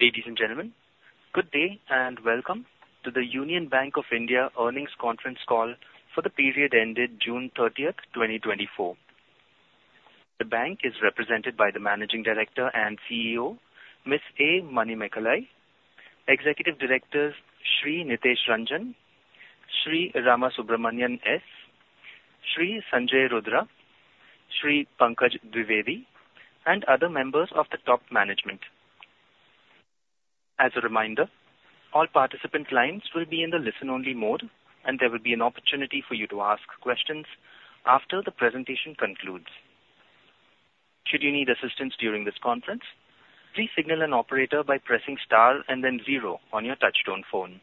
Ladies and gentlemen, good day, and welcome to the Union Bank of India earnings conference call for the period ended June 30, 2024. The bank is represented by the Managing Director and CEO, Ms. A. Manimekhalai. Executive Directors, Shri Nitesh Ranjan, Shri Ramasubramanian S., Shri Sanjay Rudra, Shri Pankaj Dwivedi, and other members of the top management. As a reminder, all participant lines will be in the listen-only mode, and there will be an opportunity for you to ask questions after the presentation concludes. Should you need assistance during this conference, please signal an operator by pressing star and then zero on your touchtone phone.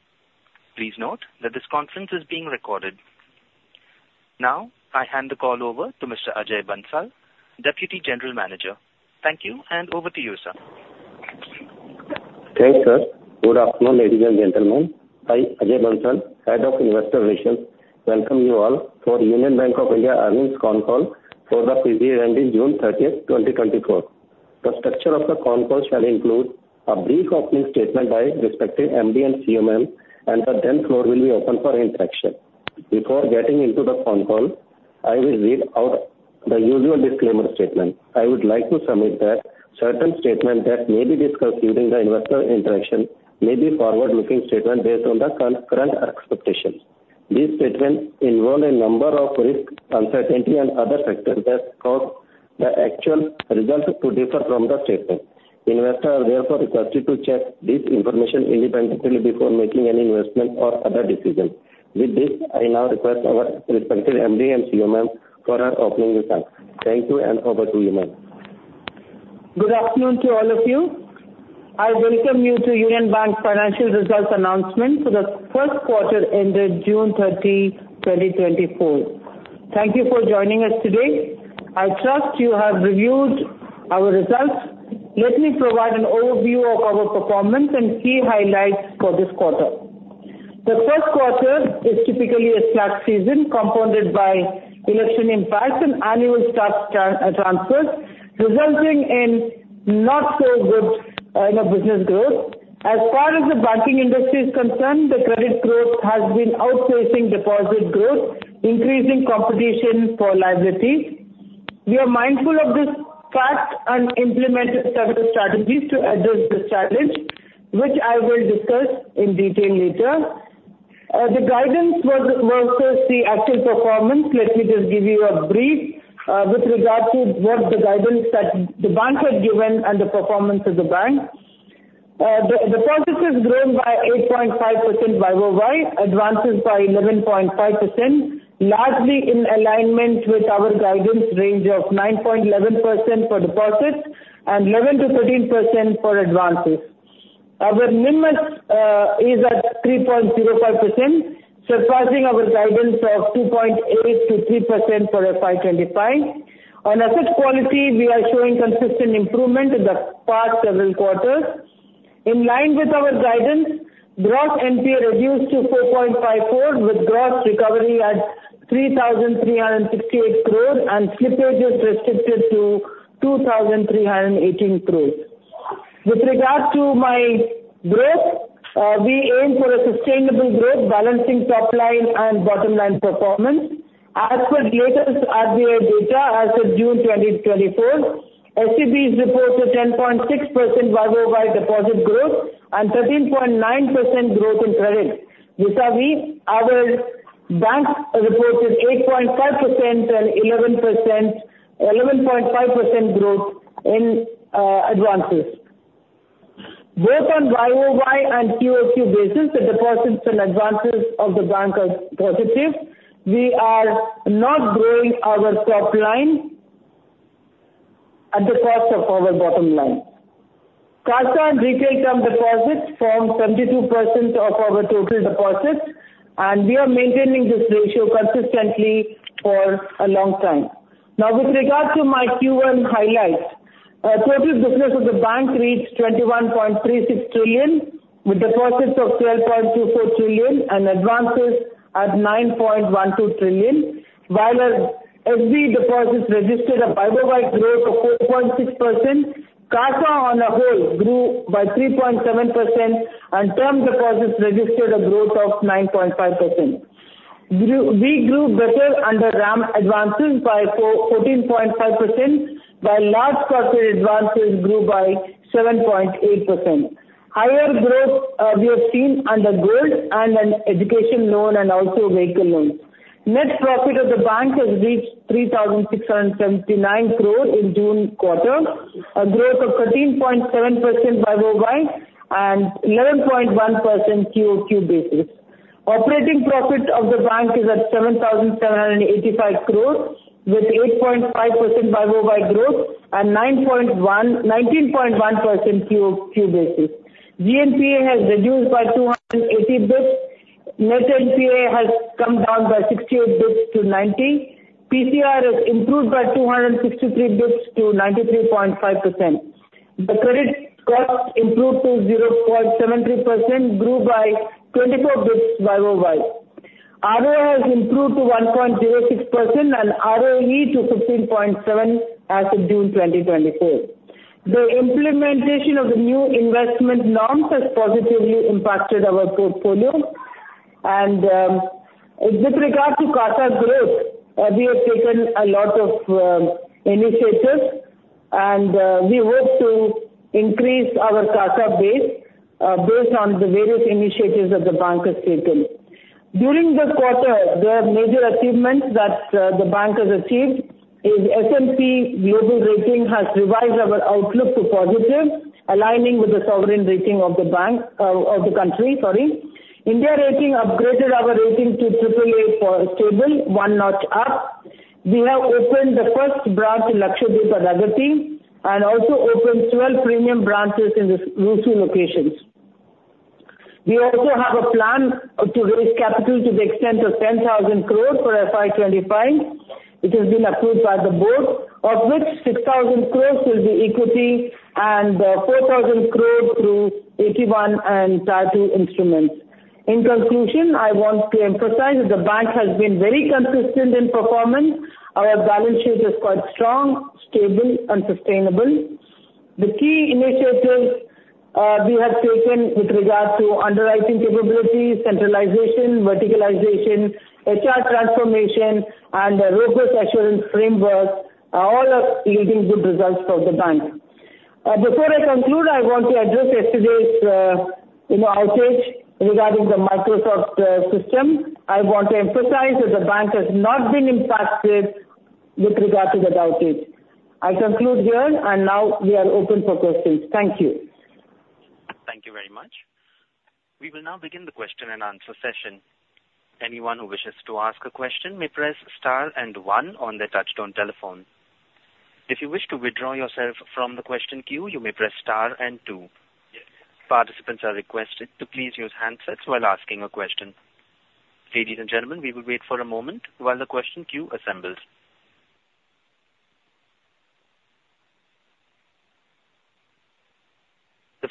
Please note that this conference is being recorded. Now, I hand the call over to Mr. Ajay Bansal, Deputy General Manager. Thank you, and over to you, sir. Thanks, sir. Good afternoon, ladies and gentlemen. I, Ajay Bansal, Head of Investor Relations, welcome you all for Union Bank of India earnings con call for the period ending June 30, 2024. The structure of the con call shall include a brief opening statement by respective MD and CEO, and then floor will be open for interaction. Before getting into the con call, I will read out the usual disclaimer statement. I would like to submit that certain statements that may be discussed during the investor interaction may be forward-looking statement based on the current expectations. These statements involve a number of risks, uncertainty, and other factors that cause the actual results to differ from the statement. Investors are therefore requested to check this information independently before making any investment or other decisions. With this, I now request our respective MD and CEO for our opening remarks. Thank you, and over to you, ma'am. Good afternoon to all of you. I welcome you to Union Bank financial results announcement for the first quarter ended June 30, 2024. Thank you for joining us today. I trust you have reviewed our results. Let me provide an overview of our performance and key highlights for this quarter. The first quarter is typically a slack season, compounded by election impacts and annual staff transfers, resulting in not so good, you know, business growth. As far as the banking industry is concerned, the credit growth has been outpacing deposit growth, increasing competition for liabilities. We are mindful of this fact and implemented several strategies to address this challenge, which I will discuss in detail later. The guidance was as the actual performance. Let me just give you a brief with regard to what the guidance that the bank had given and the performance of the bank. The deposits has grown by 8.5% YOY, advances by 11.5%, largely in alignment with our guidance range of 9%-11% for deposits and 11%-13% for advances. Our NIM is at 3.05%, surpassing our guidance of 2.8%-3% for FY 2025. On asset quality, we are showing consistent improvement in the past several quarters. In line with our guidance, gross NPA reduced to 4.54%, with gross recovery at 3,368 crore, and slippage is restricted to 2,318 crore. With regard to my growth, we aim for a sustainable growth, balancing top line and bottom line performance. As per latest RBI data, as of June 2024, SCBs reported 10.6% YOY deposit growth and 13.9% growth in credit. Vis-a-vis, our bank reported 8.5% and 11%, 11.5% growth in advances. Both on YOY and QOQ basis, the deposits and advances of the bank are positive. We are not growing our top line at the cost of our bottom line. CASA and retail term deposits form 72% of our total deposits, and we are maintaining this ratio consistently for a long time. Now, with regard to my QM highlights, total business of the bank reached 21.36 trillion, with deposits of 12.24 trillion and advances at 9.12 trillion. While our SB deposits registered a YOY growth of 4.6%, CASA on a whole grew by 3.7%, and term deposits registered a growth of 9.5%. We grew better under RAM, advancing by 14.5%, while large corporate advances grew by 7.8%. Higher growth, we have seen under gold and in education loan and also vehicle loans. Net profit of the bank has reached 3,679 crore in June quarter, a growth of 13.7% YOY and 11.1% QOQ basis. Operating profit of the bank is at 7,785 crore, with 8.5% YOY growth and 9.1, 19.1% QOQ basis. GNPA has reduced by 280 basis points. Net NPA has come down by 68 basis points to 90. PCR has improved by 263 basis points to 93.5%. The credit cost improved to 0.73%, grew by 24 basis points YOY. ROA has improved to 1.06% and ROE to 15.7 as of June 2024. The implementation of the new investment norms has positively impacted our portfolio. With regard to CASA growth, we have taken a lot of initiatives, and we hope to increase our CASA base based on the various initiatives that the bank has taken. During the quarter, the major achievements that the bank has achieved is S&P Global Ratings has revised our outlook to positive, aligning with the sovereign rating of the bank of the country, sorry. India Ratings and Research upgraded our rating to AAA/Stable, one notch up. We have opened the first branch in Lakshadweep, Agatti, and also opened 12 premium branches in the rural and semi-urban locations. We also have a plan to raise capital to the extent of 10,000 crore for FY 2025. It has been approved by the board, of which 6,000 crore will be equity and 4,000 crore through AT1 and Tier II instruments. In conclusion, I want to emphasize that the bank has been very consistent in performance. Our balance sheet is quite strong, stable and sustainable. The key initiatives, we have taken with regard to underwriting capabilities, centralization, verticalization, HR transformation, and robust assurance framework are all, are yielding good results for the bank. Before I conclude, I want to address yesterday's, you know, outage regarding the Microsoft, system. I want to emphasize that the bank has not been impacted with regard to the outage. I conclude here, and now we are open for questions. Thank you. Thank you very much. We will now begin the question and answer session. Anyone who wishes to ask a question may press star and one on their touchtone telephone. If you wish to withdraw yourself from the question queue, you may press star and two. Participants are requested to please use handsets while asking a question. Ladies and gentlemen, we will wait for a moment while the question queue assembles.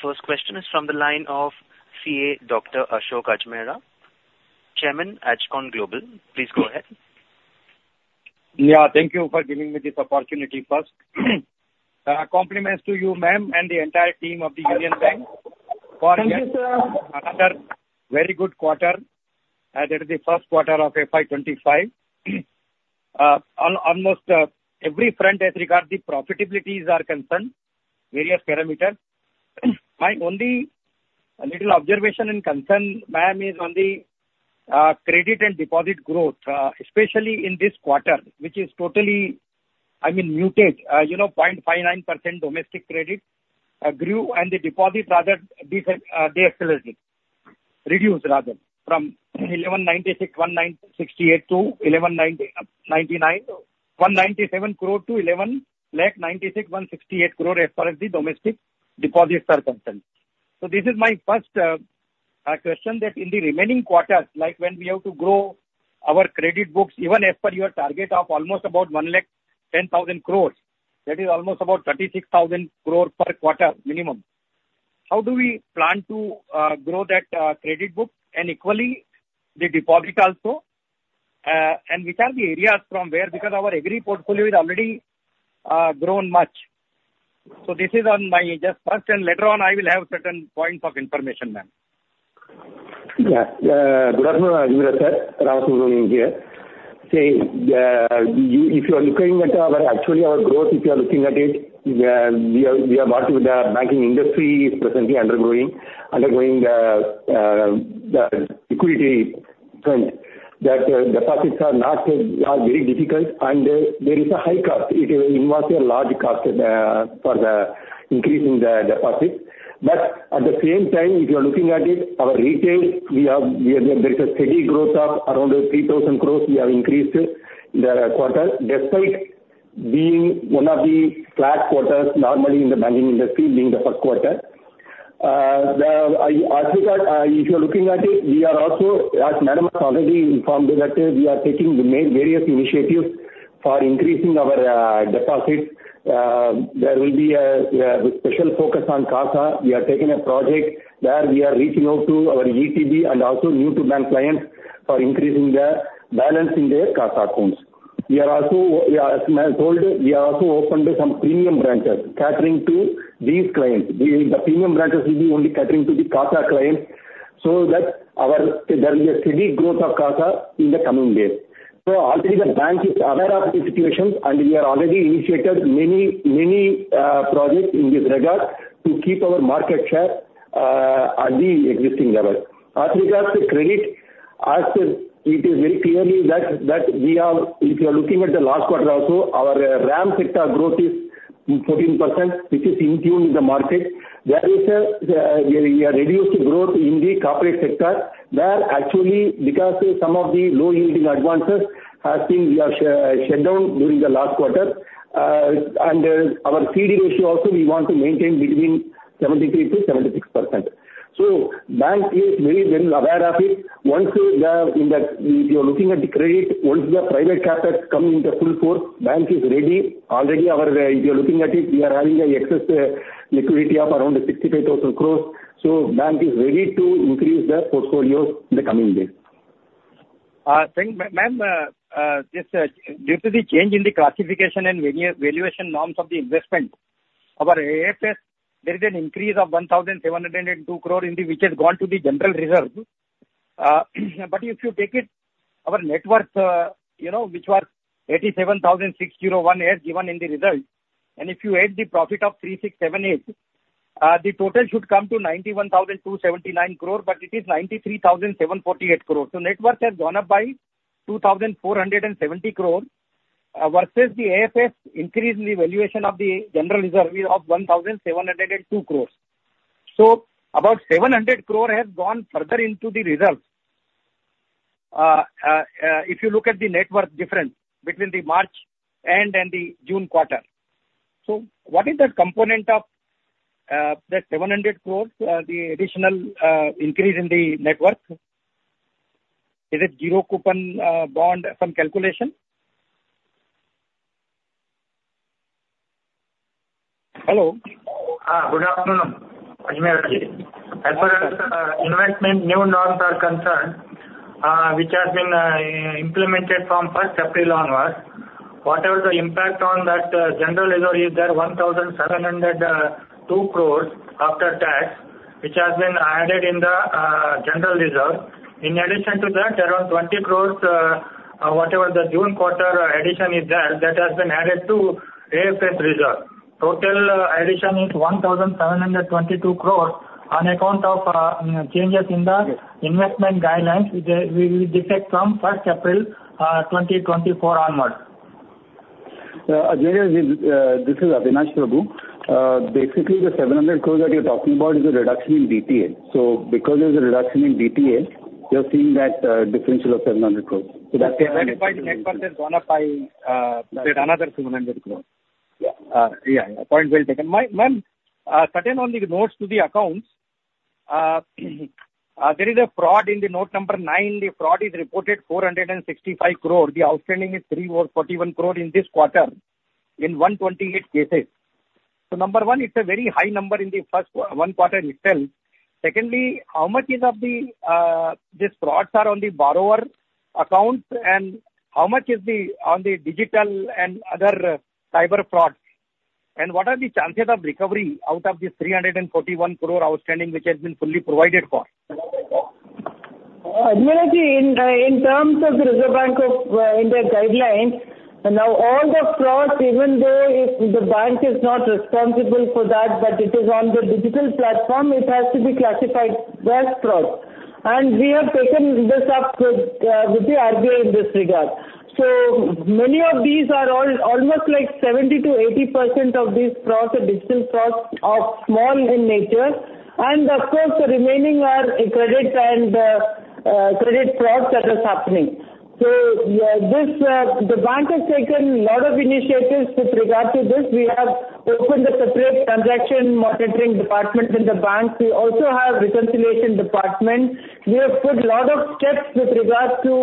The first question is from the line of CA Dr. Ashok Ajmera, Chairman, Ajcon Global. Please go ahead. Yeah, thank you for giving me this opportunity. First, compliments to you, ma'am, and the entire team of the Union Bank. Thank you, sir. For yet another very good quarter, that is the first quarter of FY 2025. On almost every front as regard the profitabilities are concerned, various parameters. My only little observation and concern, ma'am, is on the credit and deposit growth, especially in this quarter, which is totally, I mean, muted. You know, 0.59% domestic credit grew and the deposits rather decelerated, reduced rather, from 11,96,168 crore to 11,90,197 crore as far as the domestic deposits are concerned. This is my first question that in the remaining quarters, like when we have to grow our credit books, even as per your target of almost about 1,10,000 crore, that is almost about 36,000 crore per quarter minimum. How do we plan to grow that credit book and equally the deposit also? And which are the areas from where, because our agri portfolio is already grown much. So this is just my first, and later on I will have certain points of information, ma'am. Yeah, good afternoon, Ajmera, sir. Rakesh Kumar here. If you are looking at our, actually our growth, if you are looking at it, we are what with the banking industry is presently undergoing the liquidity crunch, that deposits are not are very difficult and there is a high cost. It involves a large cost for increasing the deposits. But at the same time, if you are looking at it, our retail, we have there is a steady growth of around 3,000 crore we have increased in the quarter, despite being one of the flat quarters normally in the banking industry being the first quarter. As regards, if you are looking at it, we are also, as madam has already informed that, we are taking various initiatives for increasing our deposits. There will be a special focus on CASA. We are taking a project where we are reaching out to our ETB and also new to bank clients for increasing the balance in their CASA accounts. We are also, as ma'am told, we are also open to some premium branches catering to these clients. The premium branches will be only catering to the CASA clients, so that there will be a steady growth of CASA in the coming days. So already the bank is aware of the situations, and we have already initiated many projects in this regard to keep our market share at the existing levels. As regards to credit, as to it is very clearly that we are if you are looking at the last quarter also, our RAM sector growth is 14%, which is in tune with the market. There is a, we have reduced growth in the corporate sector where actually, because some of the low-yielding advances have been, we have shut down during the last quarter. And our CD ratio also, we want to maintain between 73%-76%. So bank is very well aware of it. Once we are in the... If you are looking at the credit, once the private capital come into full force, bank is ready. Already our, if you are looking at it, we are having an excess liquidity of around INR 65,000 crore. So bank is ready to increase the portfolios in the coming days.... I think, ma'am, just due to the change in the classification and valuation norms of the investment, our AFS, there is an increase of 1,702 crore in the, which has gone to the general reserve. But if you take it, our net worth, you know, which was 87,601 as given in the result, and if you add the profit of 3,678, the total should come to 91,279 crore, but it is 93,748 crore. So net worth has gone up by 2,470 crore, versus the AFS increase in the valuation of the general reserve is of 1,702 crores. So about 700 crore has gone further into the results. If you look at the net worth difference between the March end and the June quarter. So what is the component of that 700 crore, the additional increase in the net worth? Is it zero coupon bond from calculation? Hello? Good afternoon, Ajmera. As far as the investment new norms are concerned, which has been implemented from 1 April onwards, whatever the impact on that general reserve is there, 1,702 crore after tax, which has been added in the general reserve. In addition to that, around 20 crore whatever the June quarter addition is there, that has been added to AFS reserve. Total addition is 1,722 crore on account of changes in the investment guidelines, which they will detect from 1 April 2024 onward. Ajmera, this is Avinash Prabhu. Basically, the 700 crore that you're talking about is a reduction in DTA. So because there's a reduction in DTA, you're seeing that differential of 700 crore. So that's- That is why the net worth has gone up by that another 700 crore. Yeah. Yeah, point well taken. Ma'am, ma'am, certain on the notes to the accounts, there is a fraud in the note number nine. The fraud is reported 465 crore. The outstanding is 341 crore in this quarter, in 128 cases. So number one, it's a very high number in the first one, one quarter itself. Secondly, how much is of the, these frauds are on the borrower accounts, and how much is the, on the digital and other cyber frauds? And what are the chances of recovery out of this 341 crore outstanding, which has been fully provided for? Ajmera, in terms of the Reserve Bank of India guidelines, now all the frauds, even though if the bank is not responsible for that, but it is on the digital platform, it has to be classified as fraud. And we have taken this up with the RBI in this regard. So many of these are all almost like 70%-80% of these frauds are digital frauds are small in nature, and of course, the remaining are credit and credit frauds that is happening. So yeah, the bank has taken a lot of initiatives with regard to this. We have opened a separate transaction monitoring department in the bank. We also have reconciliation department. We have put a lot of steps with regards to,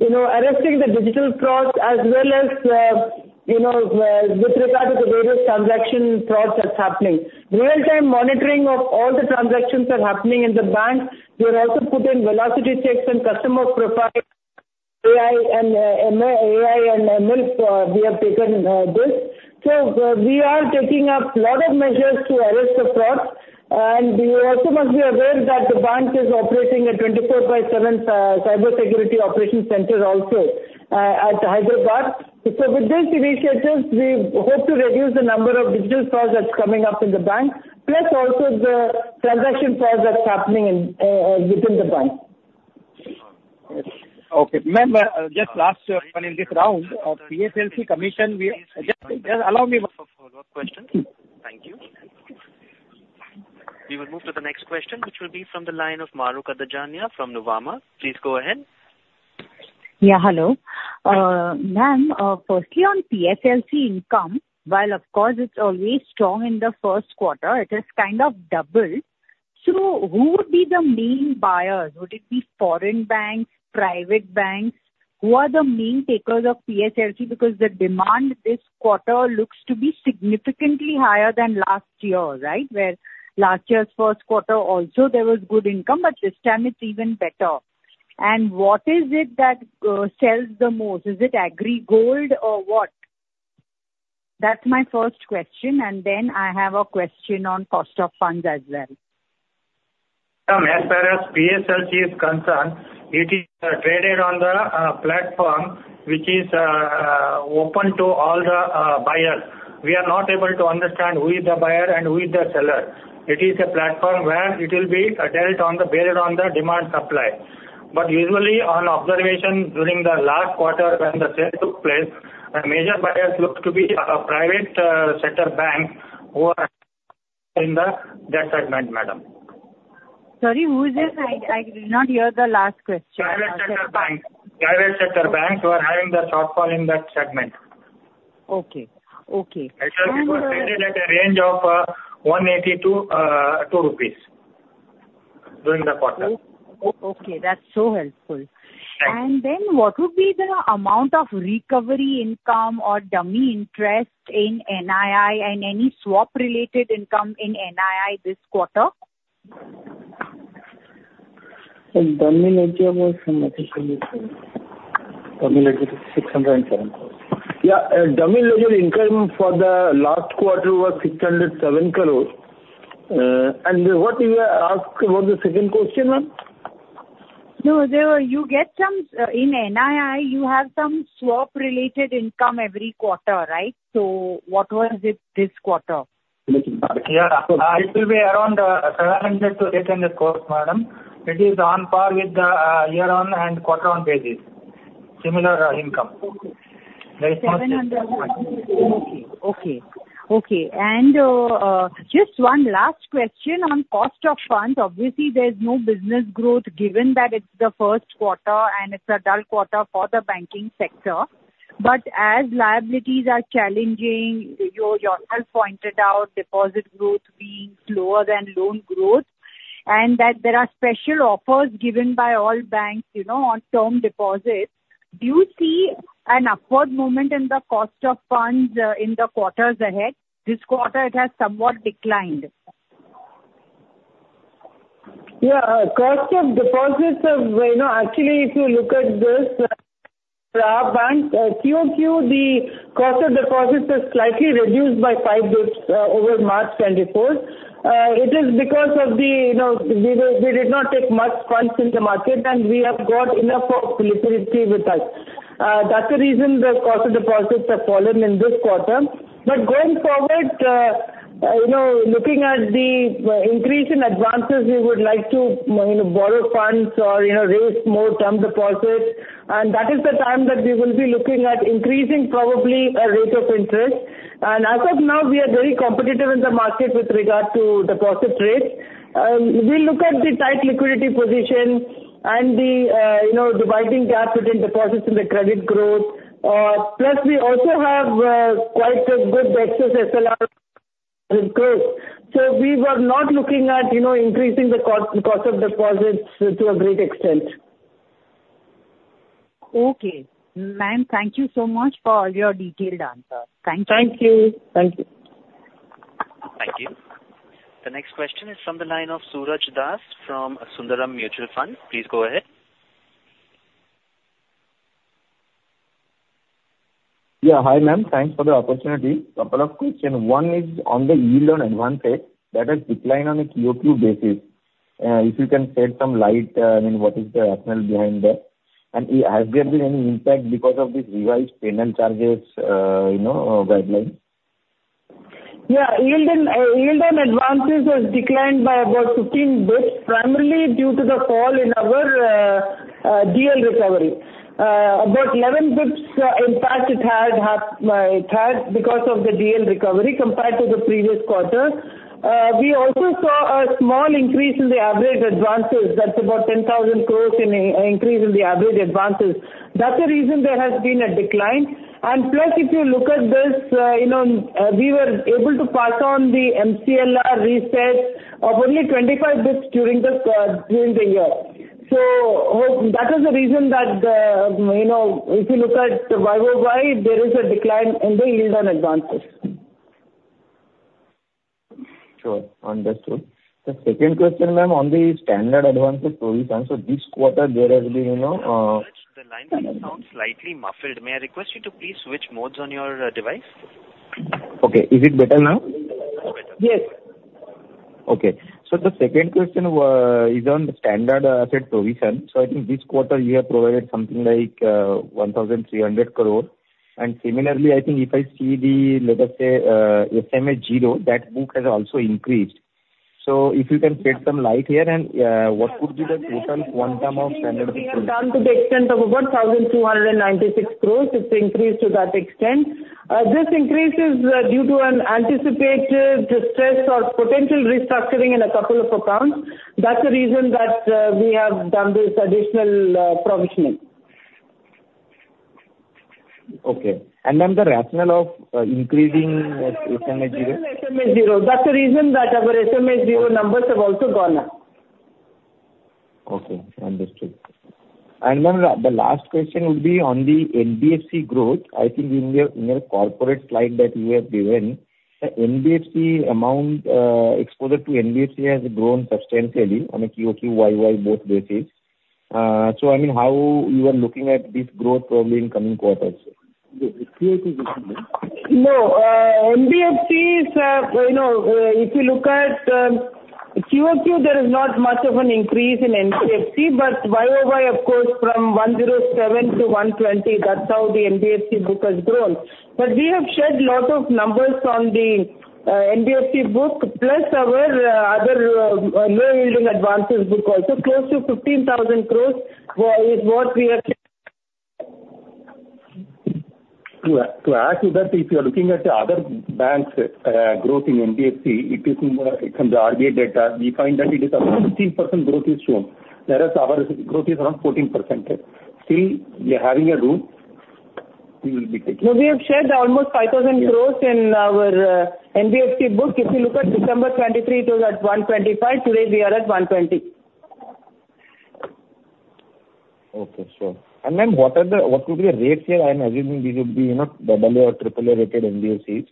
you know, arresting the digital frauds as well as, you know, with regard to the various transaction frauds that's happening. Real-time monitoring of all the transactions are happening in the bank. We have also put in velocity checks and customer profile AI and ML we have taken this. So we are taking up lot of measures to arrest the fraud, and you also must be aware that the bank is operating a 24 by 7 cybersecurity operations center also at Hyderabad. So with these initiatives, we hope to reduce the number of digital frauds that's coming up in the bank, plus also the transaction frauds that's happening in within the bank. Okay. Ma'am, just last one in this round of PSLC commission. Just, just allow me one- Follow-up question. Thank you. We will move to the next question, which will be from the line of Mahrukh Adajania from Nuvama. Please go ahead. Yeah, hello. Ma'am, firstly, on PSLC income, while of course it's always strong in the first quarter, it has kind of doubled. So who would be the main buyers? Would it be foreign banks, private banks? Who are the main takers of PSLC? Because the demand this quarter looks to be significantly higher than last year, right? Where last year's first quarter also there was good income, but this time it's even better. And what is it that sells the most? Is it agri gold or what? That's my first question, and then I have a question on cost of funds as well. Ma'am, as far as PSLC is concerned, it is traded on the platform, which is open to all the buyers. We are not able to understand who is the buyer and who is the seller. It is a platform where it will be dealt on the based on the demand-supply. But usually on observation during the last quarter when the sale took place, the major buyers looked to be private sector banks who are in the that segment, madam. Sorry, who is it? I did not hear the last question. Private sector banks. Private sector banks who are having the shortfall in that segment. Okay. Okay. And, Actually, it was traded at a range of 180-2 rupees during the quarter. Okay, that's so helpful. Thank you. And then what would be the amount of recovery income or dummy interest in NII and any swap-related income in NII this quarter? INR 607 crores. Yeah, dummy ledger income for the last quarter was 607 crore. And what you ask about the second question, ma'am? No, you get some, in NII, you have some swap-related income every quarter, right? So what was it this quarter? Yeah. It will be around 700 crore-800 crore, madam. It is on par with the year-on-year and quarter-on-quarter basis. Similar income. Okay. There is no. Okay. Okay. And, just one last question on cost of funds. Obviously, there's no business growth, given that it's the first quarter, and it's a dull quarter for the banking sector. But as liabilities are challenging, you, yourself, pointed out deposit growth being lower than loan growth, and that there are special offers given by all banks, you know, on term deposits. Do you see an upward moment in the cost of funds, in the quarters ahead? This quarter, it has somewhat declined. Yeah, cost of deposits of, you know, actually, if you look at this, for our bank, QOQ, the cost of deposits is slightly reduced by five basis points, over March 24, 2024. It is because of the, you know, we did not take much funds in the market, and we have got enough of liquidity with us. That's the reason the cost of deposits have fallen in this quarter. But going forward, you know, looking at the increase in advances, we would like to, you know, borrow funds or, you know, raise more term deposits, and that is the time that we will be looking at increasing probably our rate of interest. And as of now, we are very competitive in the market with regard to deposit rates. We look at the tight liquidity position and the, you know, dividing gap between deposits and the credit growth. Plus, we also have quite a good excess SLR in growth. So we were not looking at, you know, increasing the cost, cost of deposits to a great extent. Okay. Ma'am, thank you so much for all your detailed answers. Thank you. Thank you. Thank you. Thank you. The next question is from the line of Suraj Das from Sundaram Mutual Fund. Please go ahead. Yeah. Hi, ma'am. Thanks for the opportunity. Couple of question. One is on the yield on advances that has declined on a QOQ basis. If you can shed some light, I mean, what is the rationale behind that? And has there been any impact because of this revised penal charges, you know, guideline? Yeah, yield on advances has declined by about 15 basis points, primarily due to the fall in our DL recovery. About 11 basis points impact it had because of the DL recovery compared to the previous quarter. We also saw a small increase in the average advances. That's about 10,000 crore in an increase in the average advances. That's the reason there has been a decline. And plus, if you look at this, you know, we were able to pass on the MCLR reset of only 25 basis points during the year. So that is the reason that, you know, if you look at the YOY, there is a decline in the yield on advances. Sure. Understood. The second question, ma'am, on the standard advances provision. So this quarter there has been, you know, Suraj, the line goes, sounds slightly muffled. May I request you to please switch modes on your device? Okay. Is it better now? Better. Yes. Okay. So the second question is on the standard asset provision. So I think this quarter you have provided something like 1,300 crore. And similarly, I think if I see the, let us say, SMA zero, that book has also increased. So if you can shed some light here, and what would be the total quantum of standard- We have done to the extent of about 1,296 crore. It's increased to that extent. This increase is due to an anticipated distress or potential restructuring in a couple of accounts. That's the reason that we have done this additional provisioning. Okay. Then the rationale of increasing SMA 0. SMA zero. That's the reason that our SMA zero numbers have also gone up. Okay. Understood. And then the last question would be on the NBFC growth. I think in your corporate slide that you have given, the NBFC amount, exposure to NBFC has grown substantially on a QOQ, YOY, both basis. So, I mean, how you are looking at this growth probably in coming quarters? The QOQ. No, NBFCs, you know, if you look at QOQ, there is not much of an increase in NBFC, but YOY, of course, from 107 to 120, that's how the NBFC book has grown. But we have shared lot of numbers on the NBFC book, plus our other low-yielding advances book, also. Close to 15,000 crore is what we are... To add to that, if you are looking at the other banks' growth in NBFC, it is more from the RBI data. We find that it is about 16% growth is shown, whereas our growth is around 14%. Still, we are having a room, we will be taking. So we have shared almost 5,000 crore- Yes. in our NBFC book. If you look at December 2023, it was at 125. Today, we are at 120.... Okay, sure. And ma'am, what are the, what would be the rates here? I'm assuming these would be, you know, double A or triple A rated NBFCs.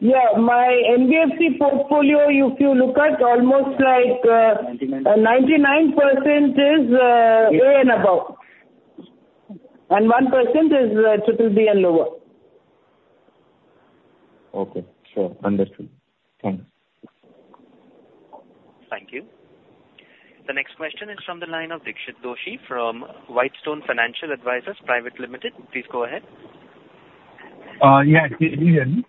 Yeah. My NBFC portfolio, if you look at almost like, Ninety-nine. - 99% is, A and above. Okay. 1% is BBB and lower. Okay. Sure, understood. Thank you. Thank you. The next question is from the line of Dixit Doshi from Whitestone Financial Advisors Private Limited. Please go ahead. Yeah, can you hear me?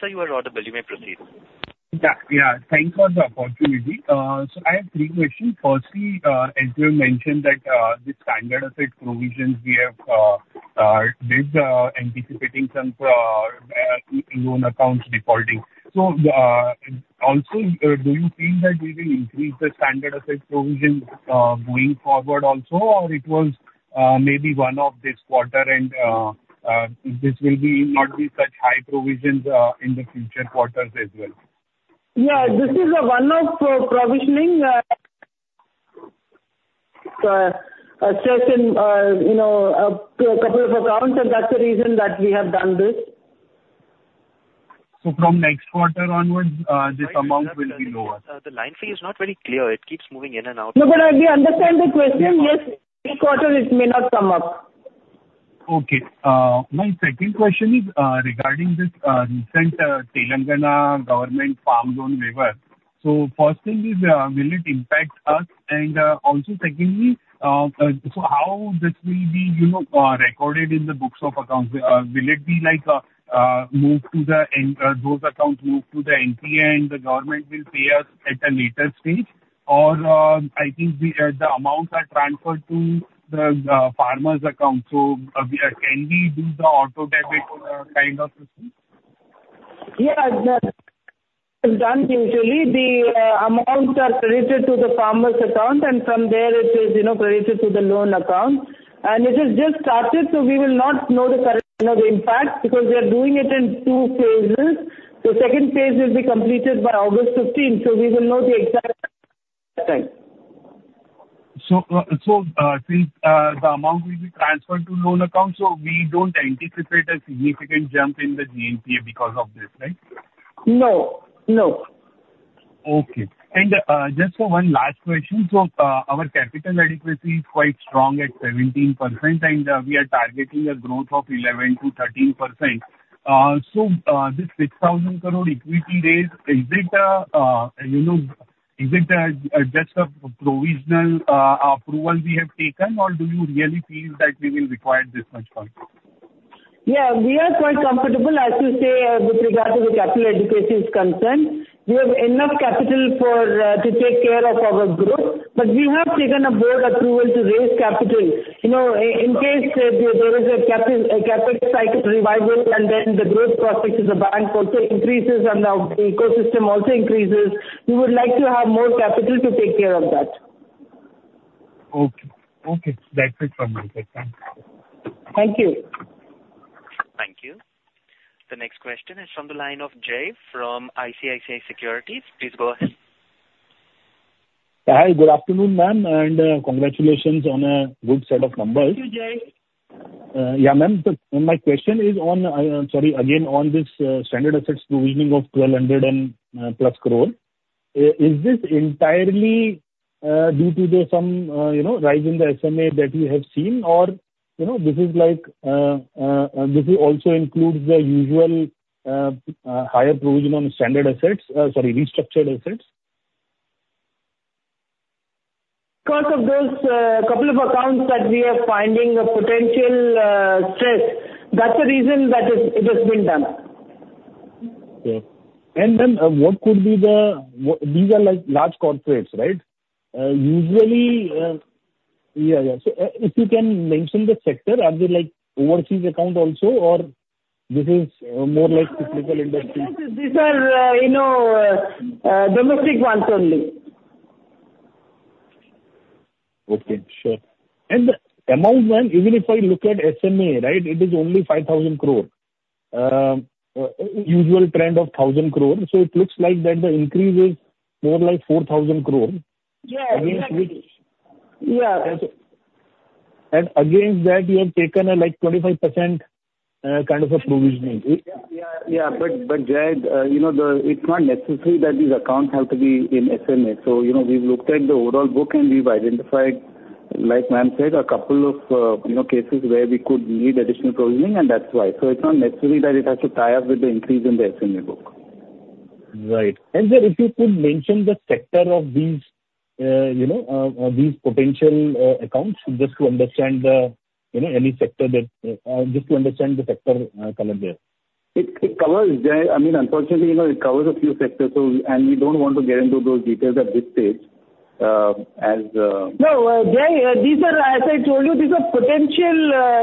Sir, you are audible. You may proceed. Yeah, yeah. Thank you for the opportunity. So I have three questions. Firstly, as you have mentioned that, the standard asset provisions we have, this, anticipating some, loan accounts defaulting. So, also, do you feel that we will increase the standard asset provisions, going forward also, or it was, maybe one of this quarter and, this will be not be such high provisions, in the future quarters as well? Yeah, this is a one-off provisioning, a certain, you know, couple of accounts, and that's the reason that we have done this. From next quarter onwards, this amount will be lower? The line for you is not very clear. It keeps moving in and out. No, but I do understand the question. Yes, this quarter it may not come up. Okay. My second question is regarding this recent Telangana government farm loan waiver. So firstly, will it impact us? And also secondly, so how this will be, you know, recorded in the books of accounts? Will it be like moved to those accounts moved to the NPA and the government will pay us at a later stage? Or, I think the amounts are transferred to the farmers' account. So, can we do the auto-debit kind of a thing? Yeah, it's done usually. The amounts are credited to the farmer's account, and from there it is, you know, credited to the loan account. It has just started, so we will not know the current, you know, the impact, because we are doing it in two phases. The second phase will be completed by August fifteenth, so we will know the exact same. So, since the amount will be transferred to loan account, so we don't anticipate a significant jump in the GNPA because of this, right? No, no. Okay. And, just for one last question, so, our capital adequacy is quite strong at 17%, and, we are targeting a growth of 11%-13%. So, this 6,000 crore equity raise, is it, you know, is it, just a provisional, approval we have taken, or do you really feel that we will require this much fund? Yeah, we are quite comfortable, as you say, with regard to the capital adequacy is concerned. We have enough capital for to take care of our growth, but we have taken a board approval to raise capital. You know, in case there is a capital cycle revival, and then the growth prospects of the bank also increases and the ecosystem also increases, we would like to have more capital to take care of that. Okay. Okay, that's it from my side. Thanks. Thank you. Thank you. The next question is from the line of Jai from ICICI Securities. Please go ahead. Hi, good afternoon, ma'am, and congratulations on a good set of numbers. Thank you, Jai. Yeah, ma'am, so my question is on, sorry, again, on this standard assets provisioning of 1,200+ crore. Is this entirely due to the some, you know, rise in the SMA that you have seen? Or, you know, this is like, this is also includes the usual higher provision on standard assets, sorry, restructured assets? Because of those couple of accounts that we are finding a potential stress, that's the reason that it has been done. Okay. And then, what could be the... What, these are like large corporates, right? Usually, yeah, yeah, so, if you can mention the sector, are they like overseas account also, or this is more like typical industry? These are, you know, domestic ones only. Okay, sure. And the amount, ma'am, even if I look at SMA, right, it is only 5,000 crore. Usual trend of 1,000 crore, so it looks like that the increase is more like 4,000 crore. Yeah, exactly. Yeah, and, and against that, you have taken a, like, 25%, kind of a provisioning. Yeah, yeah, yeah. But, but, Jai, you know, the, it's not necessary that these accounts have to be in SMA. So, you know, we've looked at the overall book, and we've identified, like ma'am said, a couple of, you know, cases where we could need additional provisioning, and that's why. So it's not necessary that it has to tie up with the increase in the SMA book. Right. And, sir, if you could mention the sector of these, you know, these potential accounts, just to understand the, you know, any sector that, just to understand the sector color there? It covers, Jai. I mean, unfortunately, you know, it covers a few sectors, so... And we don't want to get into those details at this stage, as... No, Jai, these are, as I told you, these are potential,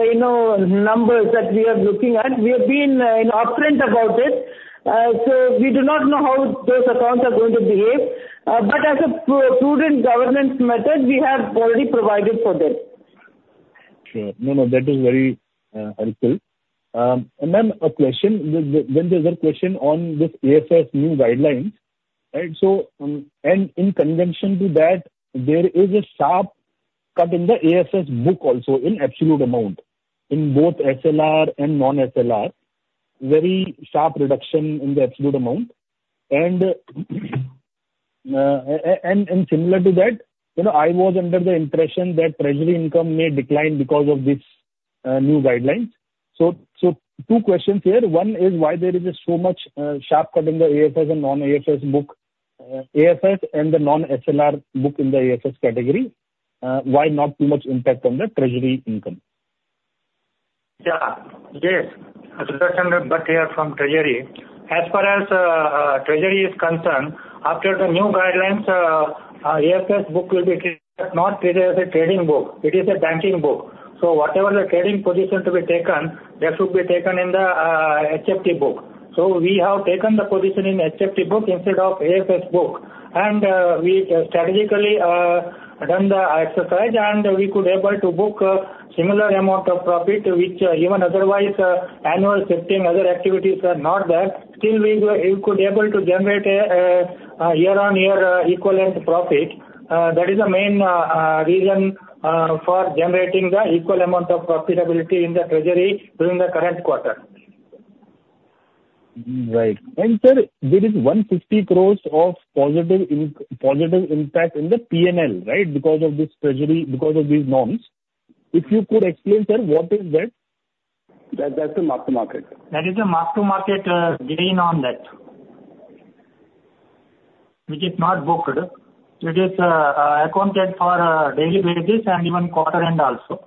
you know, numbers that we are looking at. We have been, you know, upfront about it. So we do not know how those accounts are going to behave, but as a prudent governance method, we have already provided for this.... Sure. No, no, that is very helpful. And then a question, then there's a question on this AFS new guidelines, right? So, and in conjunction to that, there is a sharp cut in the AFS book also in absolute amount, in both SLR and non-SLR. Very sharp reduction in the absolute amount. And, and similar to that, you know, I was under the impression that treasury income may decline because of this new guidelines. So two questions here. One is why there is so much sharp cut in the AFS and non-AFS book, AFS and the non-SLR book in the AFS category, why not too much impact on the treasury income? Yeah. Yes, from treasury. As far as treasury is concerned, after the new guidelines, our AFS book will be treated, not treated as a trading book. It is a banking book. So whatever the trading position to be taken, that should be taken in the HFT book. So we have taken the position in HFT book instead of AFS book. And we strategically done the exercise, and we could able to book a similar amount of profit, which even otherwise, annual shifting, other activities are not there. Still, we were, we could able to generate a year-on-year equivalent profit. That is the main reason for generating the equal amount of profitability in the treasury during the current quarter. Right. And, sir, there is 150 crore of positive impact in the PNL, right? Because of this treasury, because of these norms. If you could explain, sir, what is that? That, that's a mark to market. That is a mark to market gain on that. Which is not booked. It is accounted for daily basis and even quarter end also.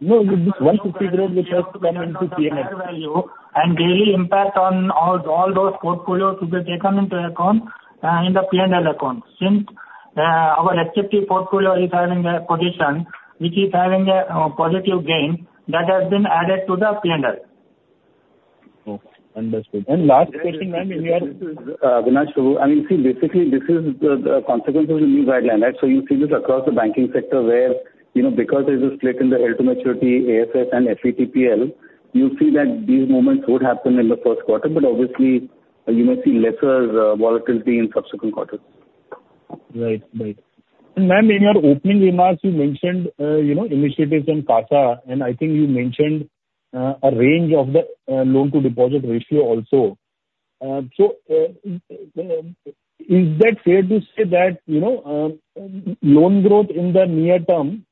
No, in this 150 crore, which has come into PNL. Value and daily impact on all, all those portfolios to be taken into account, in the PNL account. Since our HFT portfolio is having a position, which is having a positive gain, that has been added to the PNL. Okay, understood. And last question, ma'am, is... Avinash Prabhu, I mean, see, basically, this is the consequence of the new guideline, right? So you see this across the banking sector where, you know, because there's a split in the held to maturity, AFS and FVTPL, you see that these moments would happen in the first quarter, but obviously, you may see lesser volatility in subsequent quarters. Right. Right. Ma'am, in your opening remarks, you mentioned, you know, initiatives in CASA, and I think you mentioned a range of the loan-to-deposit ratio also. So, is that fair to say that, you know, loan growth in the near term,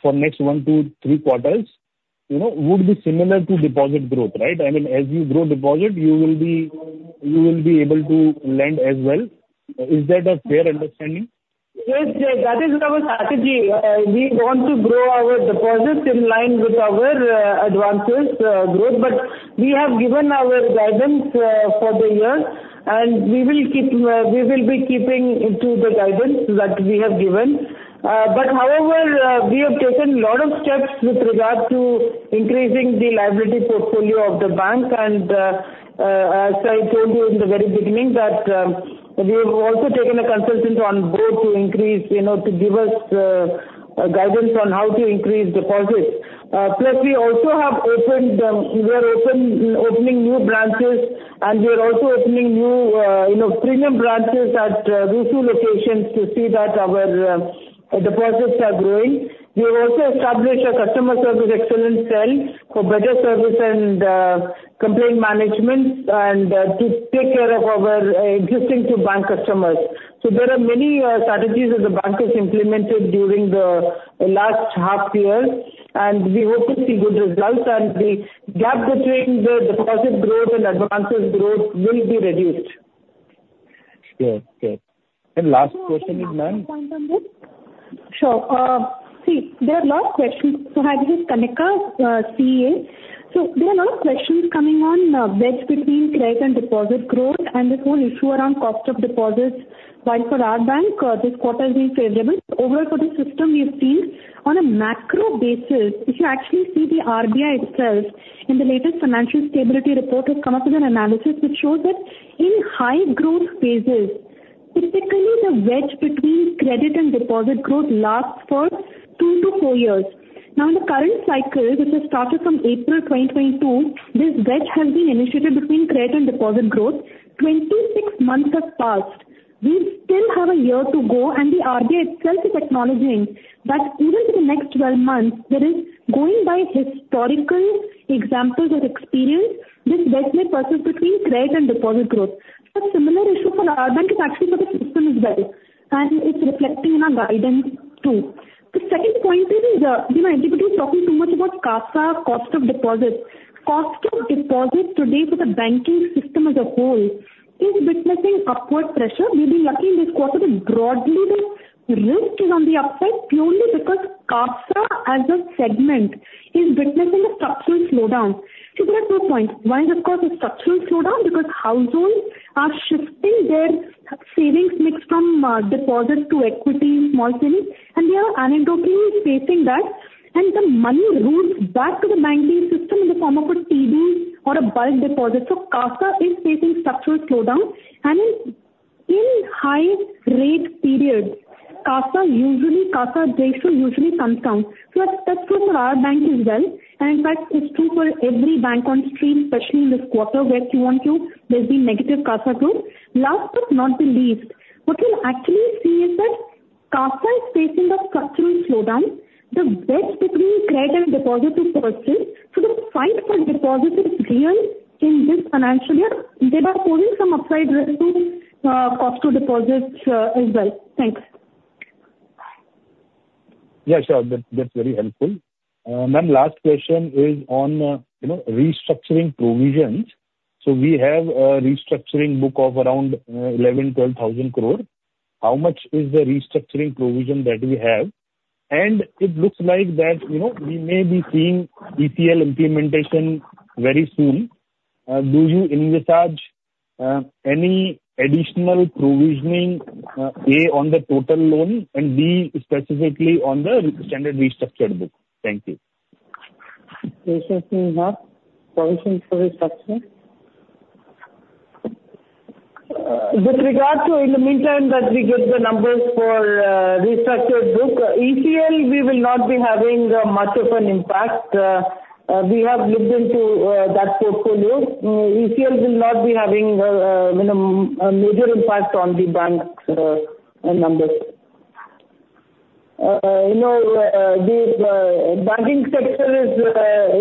for next 1-3 quarters, you know, would be similar to deposit growth, right? I mean, as you grow deposit, you will be, you will be able to lend as well. Is that a fair understanding? Yes, yes, that is our strategy. We want to grow our deposits in line with our advances growth. But we have given our guidance for the year, and we will keep, we will be keeping to the guidance that we have given. But however, we have taken a lot of steps with regard to increasing the liability portfolio of the bank. And, as I told you in the very beginning, that, we've also taken a consultant on board to increase, you know, to give us, guidance on how to increase deposits. Plus, we also have opened, we are opening new branches, and we are also opening new, you know, premium branches at busy locations to see that our deposits are growing. We have also established a customer service excellence cell for better service and complaint management and to take care of our existing to bank customers. So there are many strategies that the bank has implemented during the last half year, and we hope to see good results, and the gap between the deposit growth and advances growth will be reduced. Okay, okay. And last question is, ma'am? Sure. See, there are a lot of questions. So hi, this is Kanika, CA. So there are a lot of questions coming on, wedge between credit and deposit growth, and this whole issue around cost of deposits. While for our bank, this quarter has been favorable, overall for the system, we've seen on a macro basis, if you actually see the RBI itself, in the latest financial stability report, has come up with an analysis which shows that in high growth phases, typically the wedge between credit and deposit growth lasts for 2-4 years. Now, in the current cycle, which has started from April 2022, this wedge has been initiated between credit and deposit growth. 26 months have passed. We still have a year to go, and the RBI itself is acknowledging that even in the next 12 months, there is, going by historical examples or experience, this wedge may persist between credit and deposit growth. So similar issue for our bank is actually for the system as a whole, and it's reflecting in our guidance too. The second point is, you know, everybody is talking too much about CASA cost of deposits. Cost of deposits today for the banking system as a whole is witnessing upward pressure. We'll be lucky in this quarter, but broadly, the risk is on the upside, purely because CASA as a segment is witnessing a structural slowdown. So there are two points. One is, of course, the structural slowdown, because households are shifting their savings mix from deposits to equity, small savings, and they are anecdotally facing that, and the money moves back to the banking system in the form of a TD or a bulk deposit. So CASA is facing structural slowdown, and in-... high rate period, CASA usually, CASA ratio usually comes down. So that's true for our bank as well, and in fact, it's true for every bank on stream, especially in this quarter, where Q1, Q2, there's been negative CASA growth. Last but not the least, what we'll actually see is that CASA is facing a structural slowdown. The spread between credit and deposit is persisting, so the fight for deposits is real in this financial year. They are posing some upside risk to cost to deposits as well. Thanks. Yeah, sure. That, that's very helpful. Ma'am, last question is on, you know, restructuring provisions. So we have a restructuring book of around eleven, twelve thousand crore. How much is the restructuring provision that we have? And it looks like that, you know, we may be seeing ECL implementation very soon. Do you envisage any additional provisioning, A, on the total loan, and B, specifically on the standard restructured book? Thank you. Restructuring, huh? Provision for restructuring. With regard to in the meantime that we get the numbers for restructured book, ECL, we will not be having much of an impact. We have looked into that portfolio. ECL will not be having you know, a major impact on the bank's numbers. You know, the banking sector is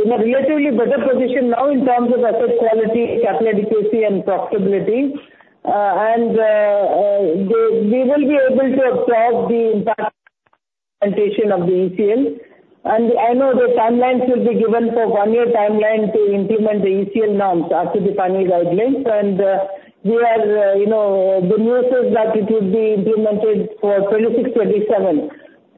in a relatively better position now in terms of asset quality, capital adequacy, and profitability. We will be able to absorb the impact implementation of the ECL. And I know the timelines will be given for one-year timeline to implement the ECL norms after the final guidelines. And we are, you know, the news is that it would be implemented for 2026,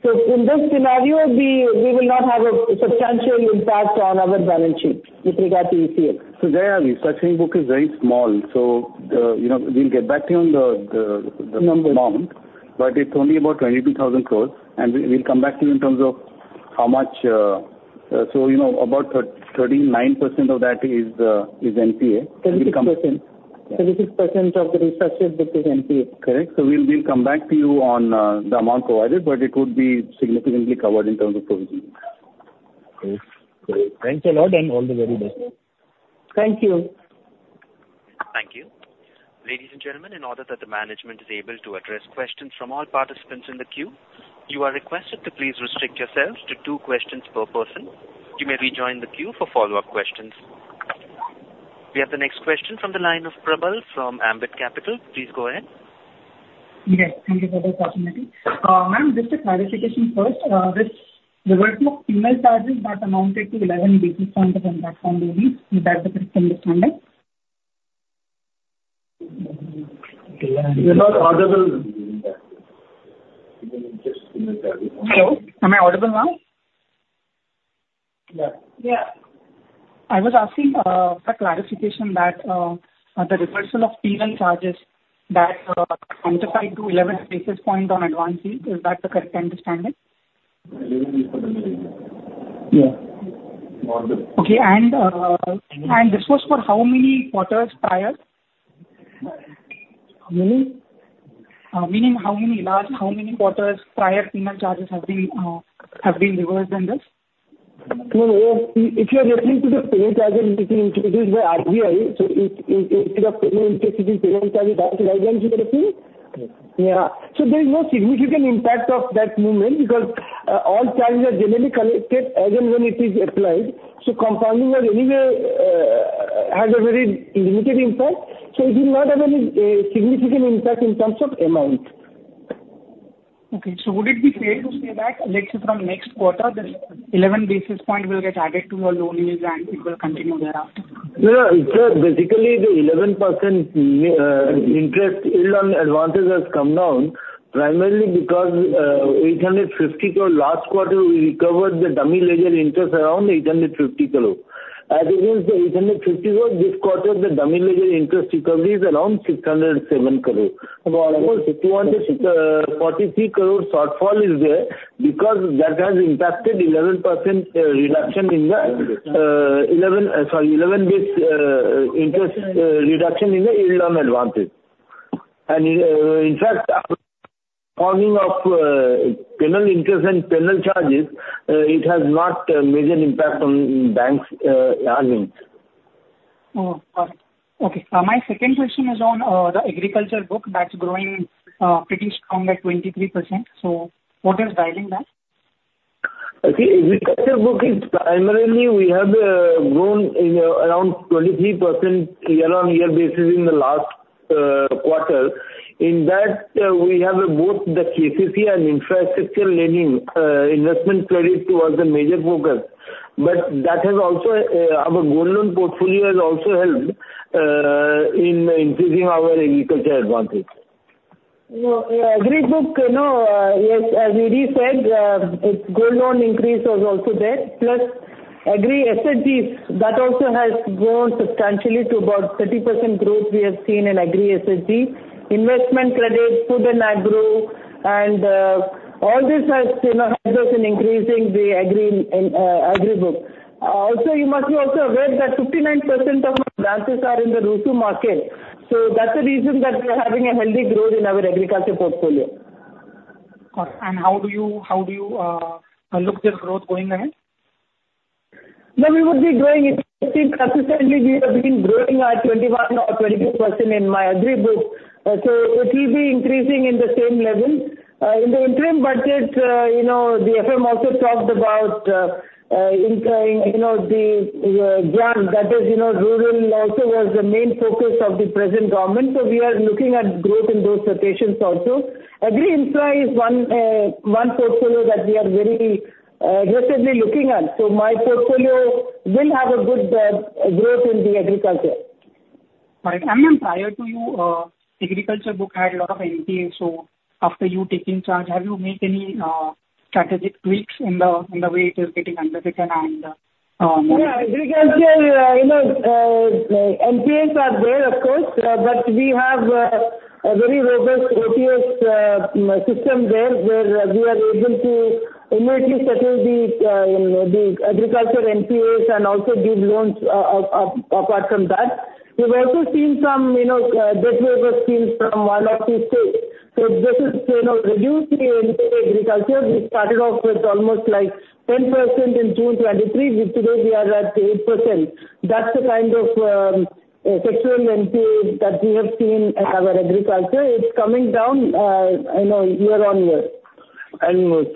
2027. In this scenario, we will not have a substantial impact on our balance sheet with regard to ECL. So there, restructuring book is very small. So, you know, we'll get back to you on the- Numbers. amount, but it's only about 22,000 crore, and we, we'll come back to you in terms of how much, so you know, about 39% of that is NPA. Thirty-six percent. We'll come- 36% of the restructured book is NPA. Correct. So we'll come back to you on the amount provided, but it would be significantly covered in terms of provisioning. Great. Great. Thanks a lot, and all the very best. Thank you. Thank you. Ladies and gentlemen, in order that the management is able to address questions from all participants in the queue, you are requested to please restrict yourselves to two questions per person. You may rejoin the queue for follow-up questions. We have the next question from the line of Prabal from Ambit Capital. Please go ahead. Yes, thank you for the opportunity. Ma'am, just a clarification first. This reversal of penal charges that amounted to 11 basis points on that from maybe, is that the correct understanding? You're not audible. Hello, am I audible now? Yeah. Yeah. I was asking for clarification that the reversal of penal charges that amounted to 11 basis points on advanced fees, is that the correct understanding? Yeah. Okay, and, and this was for how many quarters prior? How many? Meaning how many last, how many quarters prior penal charges have been reversed in this? No, if you are referring to the penal charges which were introduced by RBI, so instead of penal interest in penal charges, guidelines you are referring? Yeah. So there is no significant impact of that movement because, all charges are generally collected again when it is applied. So compounding has anywhere, has a very limited impact, so it will not have any, significant impact in terms of amount. Okay, so would it be fair to say that next, from next quarter, this 11 basis point will get added to your loan use and it will continue thereafter? Yeah, in fact, basically, the 11% interest yield on advances has come down, primarily because 850 crore. Last quarter, we recovered the dummy ledger interest around 850 crore. As against the 850 crore, this quarter, the dummy ledger interest recovery is around 607 crore. About 243 crore shortfall is there because that has impacted 11% reduction in the 11 basis interest reduction in the earn on advances. And in fact, talking of penal interest and penal charges, it has not a major impact on the bank's earnings. Oh, got it. Okay, my second question is on the agriculture book that's growing pretty strong at 23%. So what is driving that? Okay, agriculture book is primarily we have grown in around 23% year-on-year basis in the last quarter. In that, we have both the KCC and infrastructure lending, investment credit towards the major focus. But that has also, our gold loan portfolio has also helped in increasing our agriculture advances. So, Agri book, you know, yes, as AD said, its gold loan increase was also there. Plus, Agri SHG, that also has grown substantially to about 30% growth we have seen in Agri SHG. Investment credit, food and agro, and all this has, you know, helped us in increasing the Agri in Agri book. Also you must be also aware that 59% of our branches are in the rural market, so that's the reason that we are having a healthy growth in our agriculture portfolio. Correct. And how do you look at their growth going ahead? Yeah, we would be growing. I think consistently we have been growing at 21% or 22% in my agri book. So it will be increasing in the same level. In the interim budget, you know, the FM also talked about, implying, you know, the growth that is, you know, rural also was the main focus of the present government, so we are looking at growth in those regions also. Agri insurance is one portfolio that we are very aggressively looking at. So my portfolio will have a good growth in the agriculture. Right. And then prior to you, agriculture book had a lot of NPAs, so after you taking charge, have you made any strategic tweaks in the way it is getting underwritten and, Yeah, agriculture, you know, NPAs are there, of course, but we have a very robust OTS system there, where we are able to immediately settle the, you know, the agriculture NPAs and also give loans apart from that. We've also seen some, you know, debt waiver schemes from one or two states. So this is, you know, reduced the NPA agriculture. We started off with almost, like, 10% in June 2023, which today we are at 8%. That's the kind of sectoral NPA that we have seen in our agriculture. It's coming down, you know, year on year.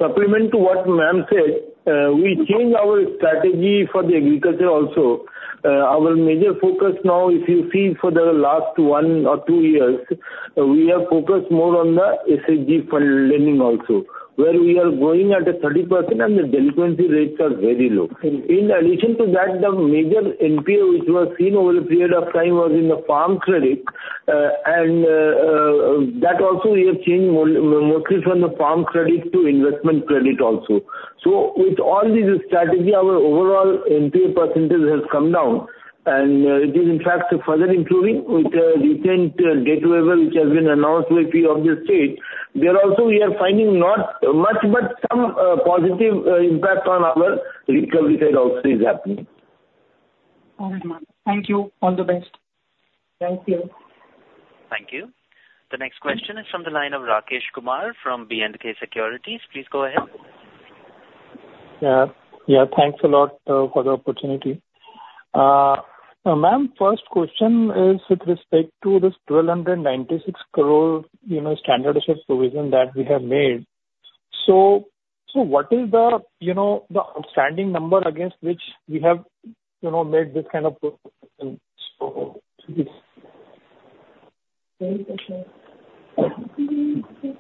Supplement to what ma'am said, we changed our strategy for the agriculture also. Our major focus now, if you see for the last one or two years, we have focused more on the SHG fund lending also, where we are growing at a 30% and the delinquency rates are very low. Mm-hmm. In addition to that, the major NPA which was seen over a period of time was in the farm credit. That also we have changed mostly from the farm credit to investment credit also. So with all these strategy, our overall NPA percentage has come down, and it is in fact further improving with recent debt waiver, which has been announced by few of the state. There also we are finding not much, but some positive impact on our recovered debt also is happening. All right, ma'am. Thank you. All the best. Thank you. Thank you. The next question is from the line of Rakesh Kumar from B&K Securities. Please go ahead. Yeah. Yeah, thanks a lot for the opportunity. Ma'am, first question is with respect to this 1,296 crore, you know, standard asset provision that we have made. So, so what is the, you know, the outstanding number against which we have, you know, made this kind of provision? Very good, sir. So, Rakesh,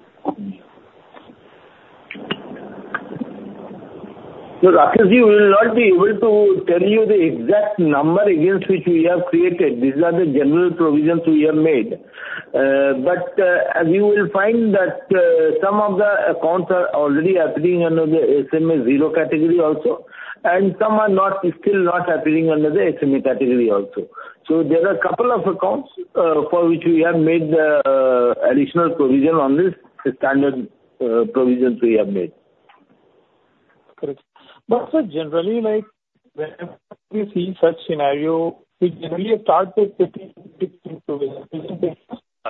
we will not be able to tell you the exact number against which we have created. These are the general provisions we have made. But, as you will find that, some of the accounts are already appearing under the SMA zero category also, and some are not, still not appearing under the SMA category also. So there are a couple of accounts, for which we have made the, additional provision on this, the standard, provisions we have made. Correct. But, sir, generally, like, whenever we see such scenario, we generally start with 50% provision.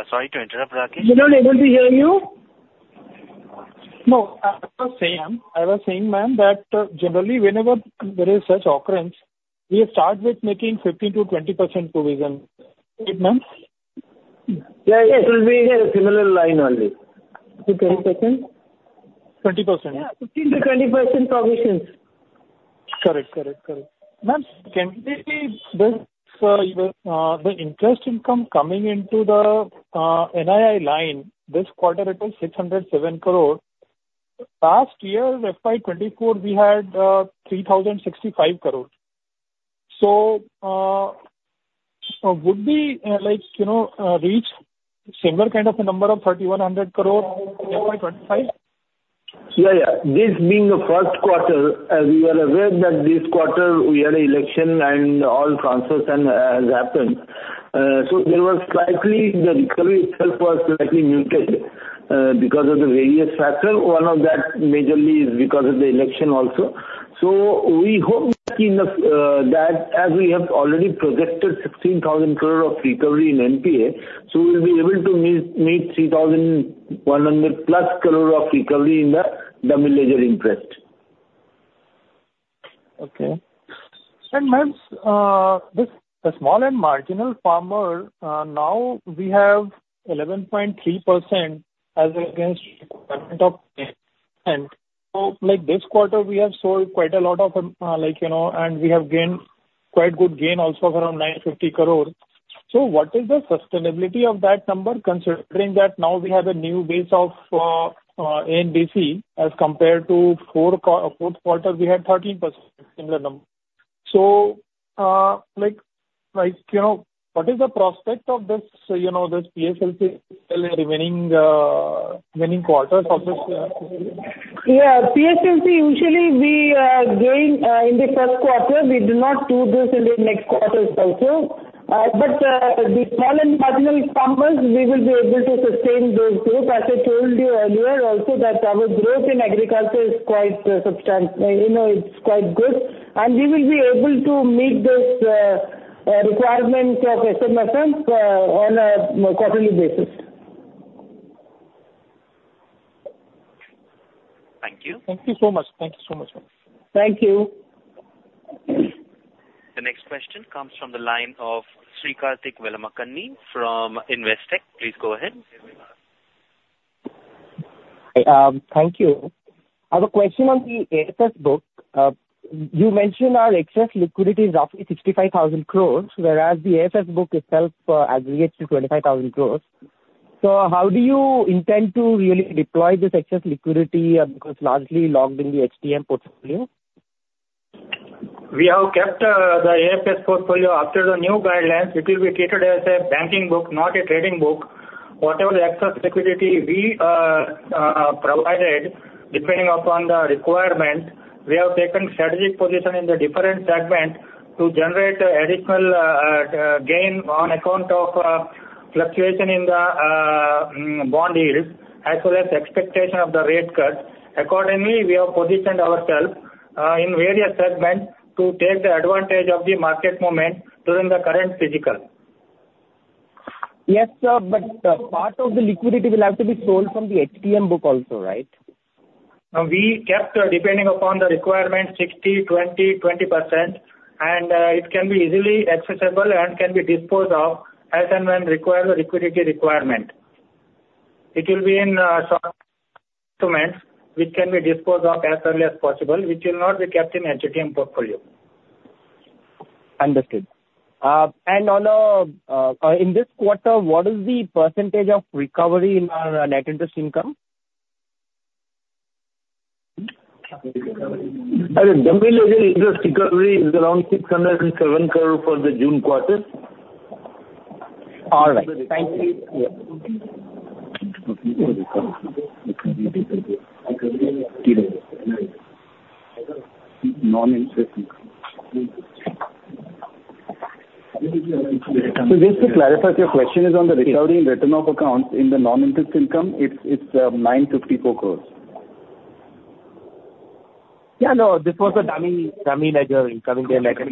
Sorry to interrupt, Rakesh. We're not able to hear you. No, I was saying, I was saying, ma'am, that generally, whenever there is such occurrence, we have start with making 15%-20% provision. Right, ma'am? Yeah, yeah, it will be a similar line only. Twenty percent? Twenty percent. Yeah, 15%-20% provisions. Correct. Correct. Correct. Ma'am, can you tell me, this, the interest income coming into the, NII line, this quarter it is 607 crore rupees. Last year, FY 2024, we had, three thousand sixty-five crore. So, so would we, like, you know, reach similar kind of a number of 3,100 crore in FY 2025? Yeah, yeah. This being the first quarter, we were aware that this quarter we had election and all transfers and has happened. So there was slightly, the recovery itself was slightly muted because of the various factors. One of that majorly is because of the election also. So we hope that enough, that as we have already projected 16,000 crore of recovery in NPA, so we'll be able to meet, meet 3,100+ crore of recovery in the, the major interest. Okay. And, ma'am, this, the small and marginal farmer, now we have 11.3% as against requirement of 10%. So, like, this quarter, we have sold quite a lot of, like, you know, and we have gained quite good gain also of around 950 crore. So what is the sustainability of that number, considering that now we have a new base of, uh, uh, ANBC as compared to fourth quarter, we had 13% similar number. So, like, like, you know, what is the prospect of this, you know, this PSLC still remaining, uh-... winning quarters also? Yeah, PSLC usually we gain in the first quarter. We do not do this in the next quarters also. But the small and marginal farmers, we will be able to sustain those group. As I told you earlier also, that our growth in agriculture is quite substantial, you know, it's quite good, and we will be able to meet this requirement of MSMEs on a quarterly basis. Thank you. Thank you so much. Thank you so much. Thank you. The next question comes from the line of Sri Karthik Velamakanni from Investec. Please go ahead. Thank you. I have a question on the AFS book. You mentioned our excess liquidity is roughly 65,000 crore, whereas the AFS book itself aggregates to 25,000 crore. So how do you intend to really deploy this excess liquidity, because largely locked in the HTM portfolio? We have kept the AFS portfolio after the new guidelines. It will be treated as a banking book, not a trading book. Whatever the excess liquidity we provided, depending upon the requirement, we have taken strategic position in the different segment to generate additional gain on account of fluctuation in the bond yields, as well as expectation of the rate cut. Accordingly, we have positioned ourselves in various segments to take the advantage of the market movement during the current fiscal. Yes, sir, but, part of the liquidity will have to be sold from the HTM book also, right? We kept, depending upon the requirement, 60, 20, 20%, and it can be easily accessible and can be disposed of as and when required, liquidity requirement. It will be in short instruments, which can be disposed of as early as possible, which will not be kept in HTM portfolio. Understood. And on a, in this quarter, what is the percentage of recovery in our net interest income? Recovery. The recovery is around INR 607 crore for the June quarter. All right. Thank you. Yeah. Non-interest income. Just to clarify, your question is on the recovery and written-off accounts. In the non-interest income, it's 954 crore. Yeah, no, this was a dummy, dummy ledger coming there. Okay.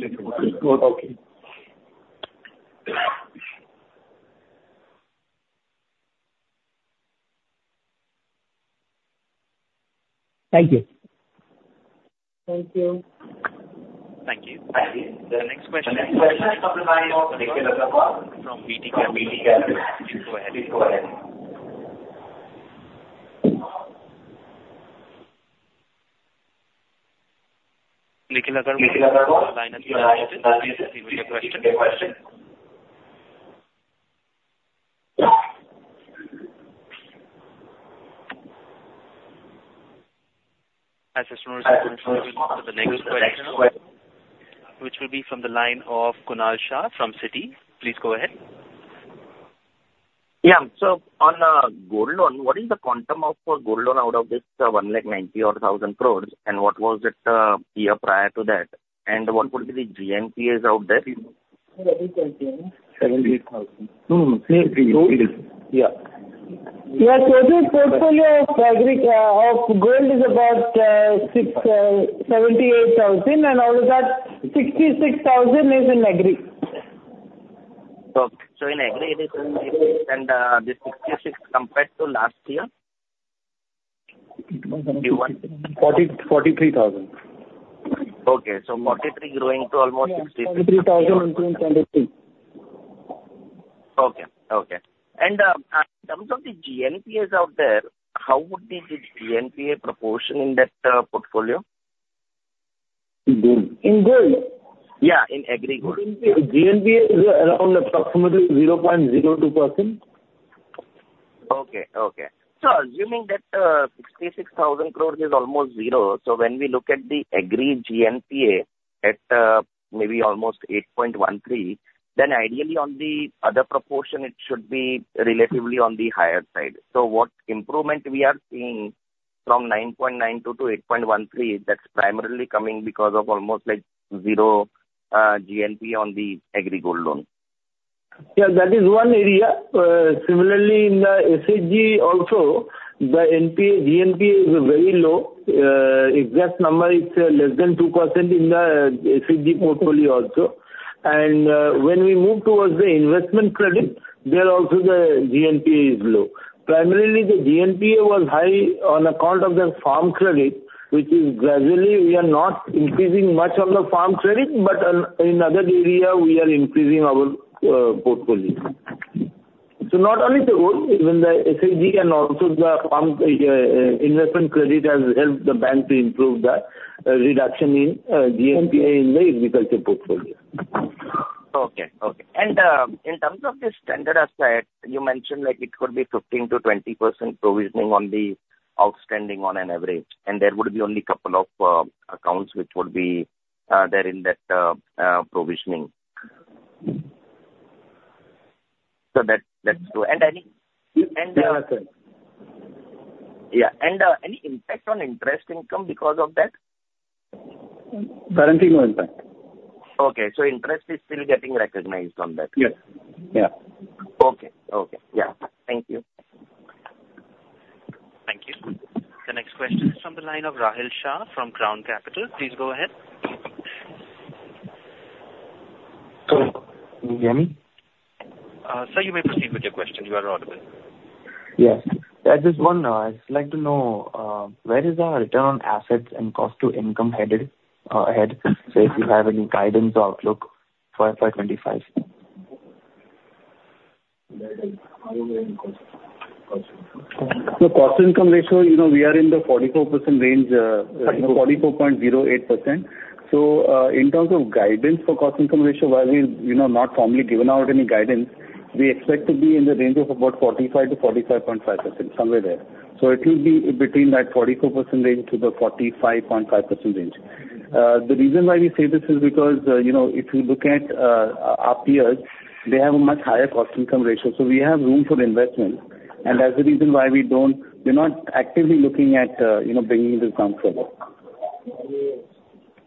Thank you. Thank you. Thank you. The next question comes from the line of Nikhil Agarwal from VT Capital. Please go ahead. Nikhil Agarwal, the line is yours. Please proceed with your question. As I said, we will move to the next question, which will be from the line of Kunal Shah from Citi. Please go ahead. Yeah. So on gold loan, what is the quantum of gold loan out of this 190,000 crore, and what was it year prior to that? And what would be the GNPA out there? Seventy-eight thousand. Hmm. Yeah. Yeah, so the portfolio of Agri gold is about 67-68 thousand, and out of that, 66 thousand is in agri. Okay. So in agri, it is and, this 66 compared to last year? 43,000 Okay, so 43 growing to almost 60- INR 43,000 in 2023. Okay. Okay. And, in terms of the GNPA out there, how would be the GNPA proportion in that portfolio? In gold. In gold? Yeah, in agri gold. GNPA is around approximately 0.02%. Okay, okay. So assuming that, 66,000 crore is almost zero, so when we look at the agri GNPA at, maybe almost 8.13, then ideally on the other proportion, it should be relatively on the higher side. So what improvement we are seeing from 9.92 to 8.13, that's primarily coming because of almost like zero, GNPA on the agri gold loan. Yeah, that is one area. Similarly, in the SHG also, the NPA, GNPA is very low. Exact number is less than 2% in the SHG portfolio also. And when we move towards the investment credit, there also the GNPA is low. Primarily, the GNPA was high on account of the farm credit, which is gradually we are not increasing much on the farm credit, but on in other area, we are increasing our portfolio. So not only the gold, even the SHG and also the farm investment credit has helped the bank to improve the reduction in GNPA in the agriculture portfolio. Okay. Okay. In terms of the standard asset, you mentioned, like, it could be 15%-20% provisioning on the outstanding on an average, and there would be only couple of accounts which would be there in that provisioning.... So that, that's true. And any, and, Yeah, that's right. Yeah, and, any impact on interest income because of that? Currently, no impact. Okay, so interest is still getting recognized on that? Yes. Yeah. Okay. Okay. Yeah. Thank you. Thank you. The next question is from the line of Rahil Shah from Crown Capital. Please go ahead. So, me? Sir, you may proceed with your question. You are audible. Yes. There is just one, I'd like to know, where is our return on assets and cost to income headed, ahead? So if you have any guidance or outlook for FY 2025. The cost-income ratio, you know, we are in the 44% range, forty-four point zero eight percent. So, in terms of guidance for cost-income ratio, while we, you know, not formally given out any guidance, we expect to be in the range of about 45%-45.5%, somewhere there. So it will be between that 42% range to the 45.5% range. The reason why we say this is because, you know, if you look at, our peers, they have a much higher cost-income ratio, so we have room for investment. And that's the reason why we don't... We're not actively looking at, you know, bringing this down further.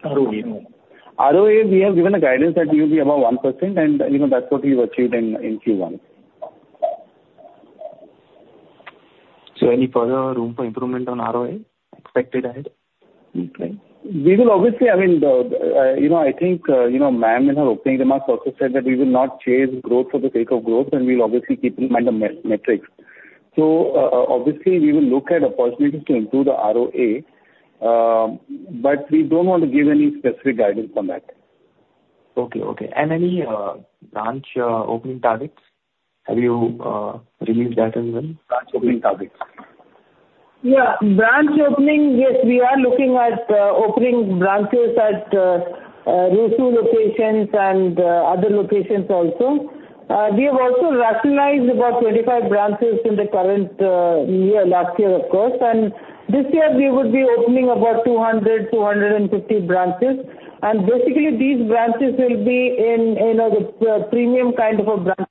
ROA, you know. ROA, we have given a guidance that will be above 1%, and, you know, that's what we've achieved in Q1. Any further room for improvement on ROA expected ahead? We will obviously, I mean, you know, I think, you know, ma'am, in her opening remarks also said that we will not chase growth for the sake of growth, and we'll obviously keep in mind the metrics. So, obviously, we will look at opportunities to improve the ROA, but we don't want to give any specific guidance on that. Okay, okay. And any branch opening targets? Have you released that as well? Branch opening targets. Yeah. Branch opening, yes, we are looking at opening branches at rural and semi-urban locations and other locations also. We have also rationalized about 25 branches in the current year, last year, of course, and this year we would be opening about 200-250 branches. And basically, these branches will be in the premium kind of a branch.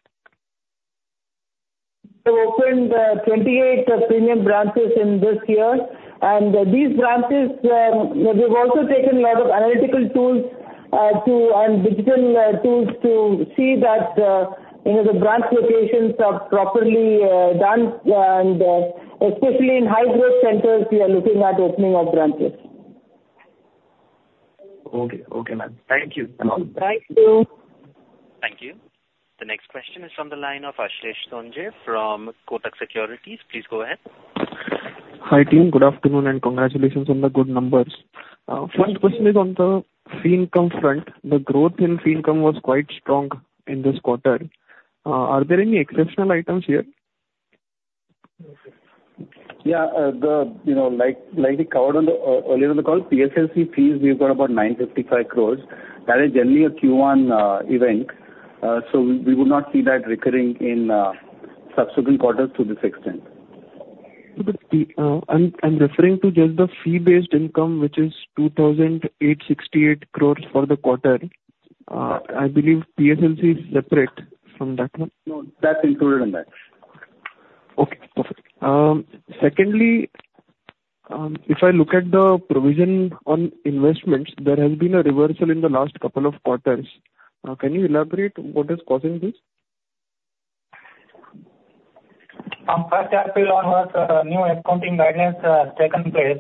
We opened 28 premium branches in this year, and these branches, we've also taken lot of analytical tools to and digital tools to see that you know, the branch locations are properly done, and especially in high-growth centers, we are looking at opening of branches. Okay. Okay, ma'am. Thank you. Thank you! Thank you. The next question is from the line of Ashesh Tandon from Kotak Securities. Please go ahead. Hi, team. Good afternoon, and congratulations on the good numbers. First question is on the fee income front. The growth in fee income was quite strong in this quarter. Are there any exceptional items here? Yeah, you know, like we covered earlier on the call, PSLC fees, we've got about 955 crore. That is generally a Q1 event, so we, we would not see that recurring in subsequent quarters to this extent. But I'm referring to just the fee-based income, which is 2,868 crore for the quarter. I believe PSLC is separate from that, no? No, that's included in that. Okay, perfect. Secondly, if I look at the provision on investments, there has been a reversal in the last couple of quarters. Can you elaborate what is causing this? First half year on was new accounting guidance taken place.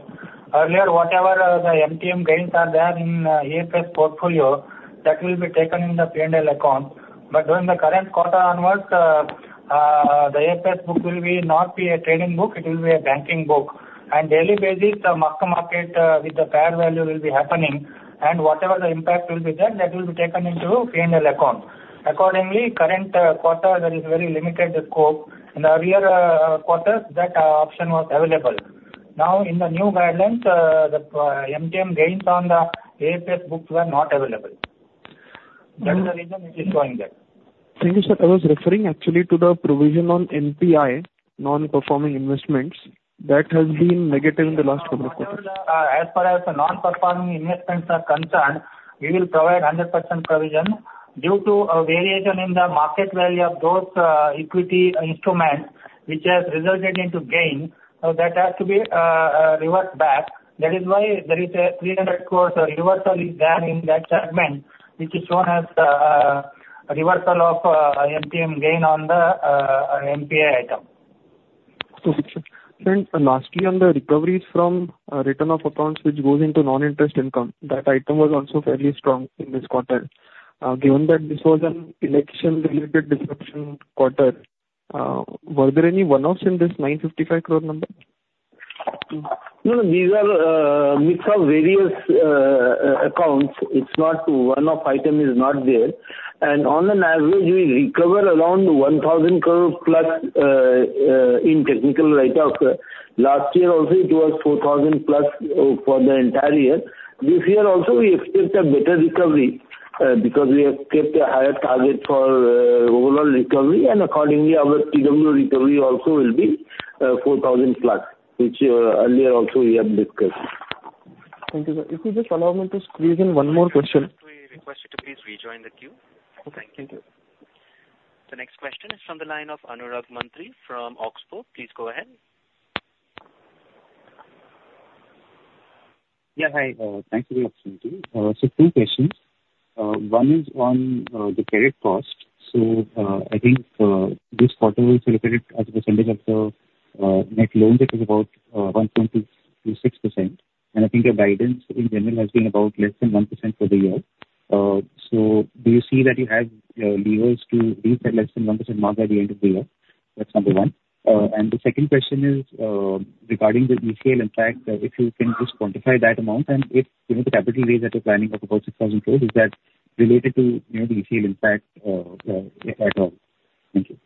Earlier, whatever the MTM gains are there in AFS portfolio, that will be taken in the P&L account. But during the current quarter onwards, the AFS book will not be a trading book, it will be a banking book. And on a daily basis, mark-to-market with the fair value will be happening, and whatever the impact will be there, that will be taken into P&L account. Accordingly, current quarter, there is very limited scope. In the earlier quarters, that option was available. Now, in the new guidelines, the MTM gains on the AFS books were not available. That's the reason it is showing that. Thank you, sir. I was referring actually to the provision on NPA, non-performing assets, that has been negative in the last quarter. As far as the non-performing investments are concerned, we will provide 100% provision. Due to a variation in the market value of those equity instruments, which has resulted into gain, that has to be reversed back. That is why there is a 300 crore reversal is there in that segment, which is shown as a reversal of MTM gain on the NPI item. Lastly, on the recoveries from return of accounts, which goes into non-interest income, that item was also fairly strong in this quarter. Given that this was an election-related disruption quarter, were there any one-offs in this 955 crore number? No, no, these are, mix of various, accounts. It's not, one-off item is not there. On an average, we recover around 1,000 crore plus, in technical write-off. Last year also, it was 4,000 plus, for the entire year. This year also, we expect a better recovery, because we have kept a higher target for, overall recovery, and accordingly, our PW recovery also will be, four thousand plus, which, earlier also we have discussed.... Thank you, sir. If you just allow me to squeeze in one more question. I request you to please rejoin the queue. Okay, thank you. The next question is from the line of Anurag Mantri from Oxbow. Please go ahead. Yeah, hi. Thanks for the opportunity. So two questions. One is on the credit cost. So I think this quarter is calculated as a percentage of the net loans, which is about 1.26%, and I think your guidance in general has been about less than 1% for the year. So do you see that you have levers to reach that less than 1% mark by the end of the year? That's number one. And the second question is regarding the ECL. In fact, if you can just quantify that amount and if you know the capital raise that you're planning of about 6,000 crore, is that related to, you know, the ECL impact, if at all? Thank you.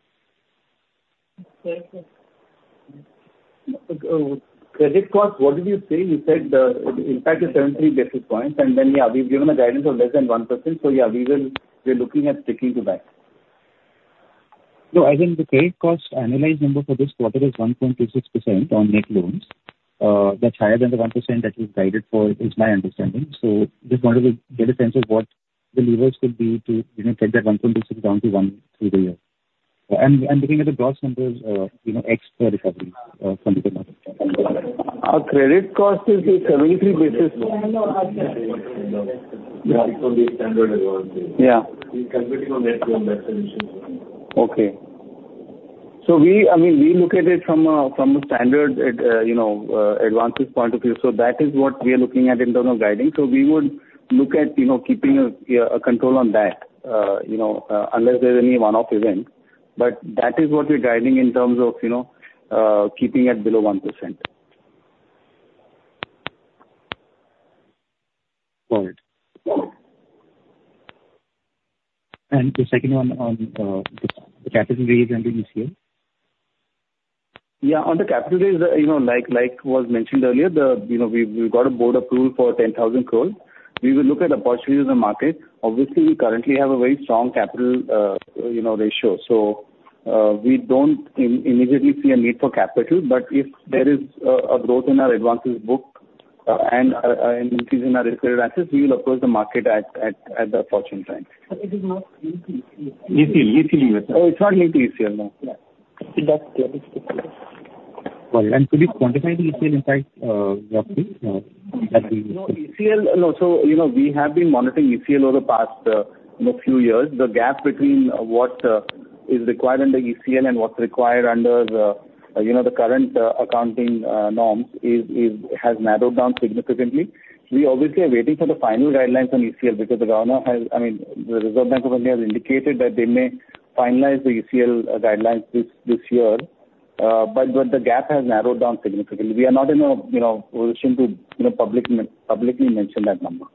Credit cost, what did you say? You said, impact is 73 basis points, and then, yeah, we've given a guidance of less than 1%. So yeah, we will, we're looking at sticking to that. So, as in the credit cost, annualized number for this quarter is 1.6% on net loans. That's higher than the 1% that you've guided for, is my understanding. So just wanted to get a sense of what the levers will be to, you know, get that 1.6 down to 1 through the year. And looking at the gross numbers, you know, ex the recovery. Our credit cost is a 73 basis. I know. Yeah. It's on the standard as well. Yeah. We're competing on net loan definition. Okay. So we, I mean, we look at it from the standard, you know, advances point of view. So that is what we are looking at in terms of guiding. So we would look at, you know, keeping a control on that, you know, unless there's any one-off event. But that is what we're guiding in terms of, you know, keeping it below 1%. Got it. And the second one on, the capital raise and the ECL? Yeah, on the capital raise, you know, like was mentioned earlier, you know, we've got a board approval for 10,000 crore. We will look at the opportunities in the market. Obviously, we currently have a very strong capital, you know, ratio, so we don't immediately see a need for capital. But if there is a growth in our advances book and an increase in our risk-rated assets, we will approach the market at the opportune time. But it is not ECL. ECL, ECL. Oh, it's not related to ECL, no. No. It does credit. Got it. Could you quantify the ECL impact, roughly? Thank you. No, ECL, no. So, you know, we have been monitoring ECL over the past, you know, few years. The gap between what is required under ECL and what's required under the, you know, the current accounting norms has narrowed down significantly. We obviously are waiting for the final guidelines on ECL because the governor has, I mean, the Reserve Bank of India has indicated that they may finalize the ECL guidelines this year. But the gap has narrowed down significantly. We are not in a, you know, position to, you know, publicly mention that number.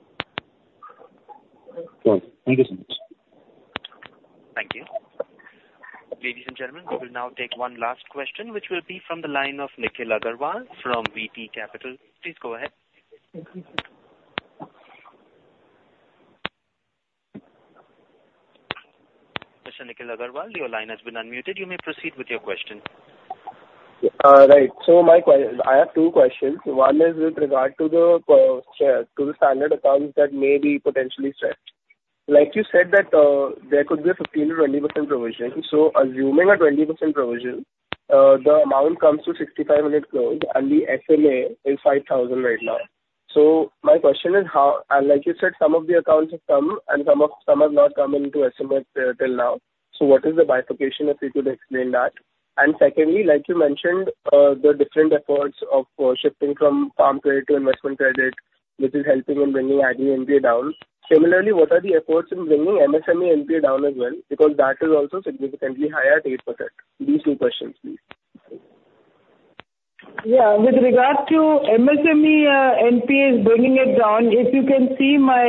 Well, thank you so much. Thank you. Ladies and gentlemen, we will now take one last question, which will be from the line of Nikhil Agarwal from VT Capital. Please go ahead. Mr. Nikhil Agarwal, your line has been unmuted. You may proceed with your question. Right. So my question. I have two questions. One is with regard to the share of the standard accounts that may be potentially stressed. Like you said, there could be a 15%-20% provision. So assuming a 20% provision, the amount comes to 6,500 crore, and the SMA is 5,000 right now. So my question is how... Like you said, some of the accounts have come and some have not come into SMA till now. So what is the bifurcation, if you could explain that? And secondly, like you mentioned, the different efforts of shifting from farm credit to investment credit, which is helping in bringing AG NPA down. Similarly, what are the efforts in bringing MSME NPA down as well? Because that is also significantly higher at 8%. These two questions, please. Yeah. With regard to MSME NPAs, bringing it down, if you can see my,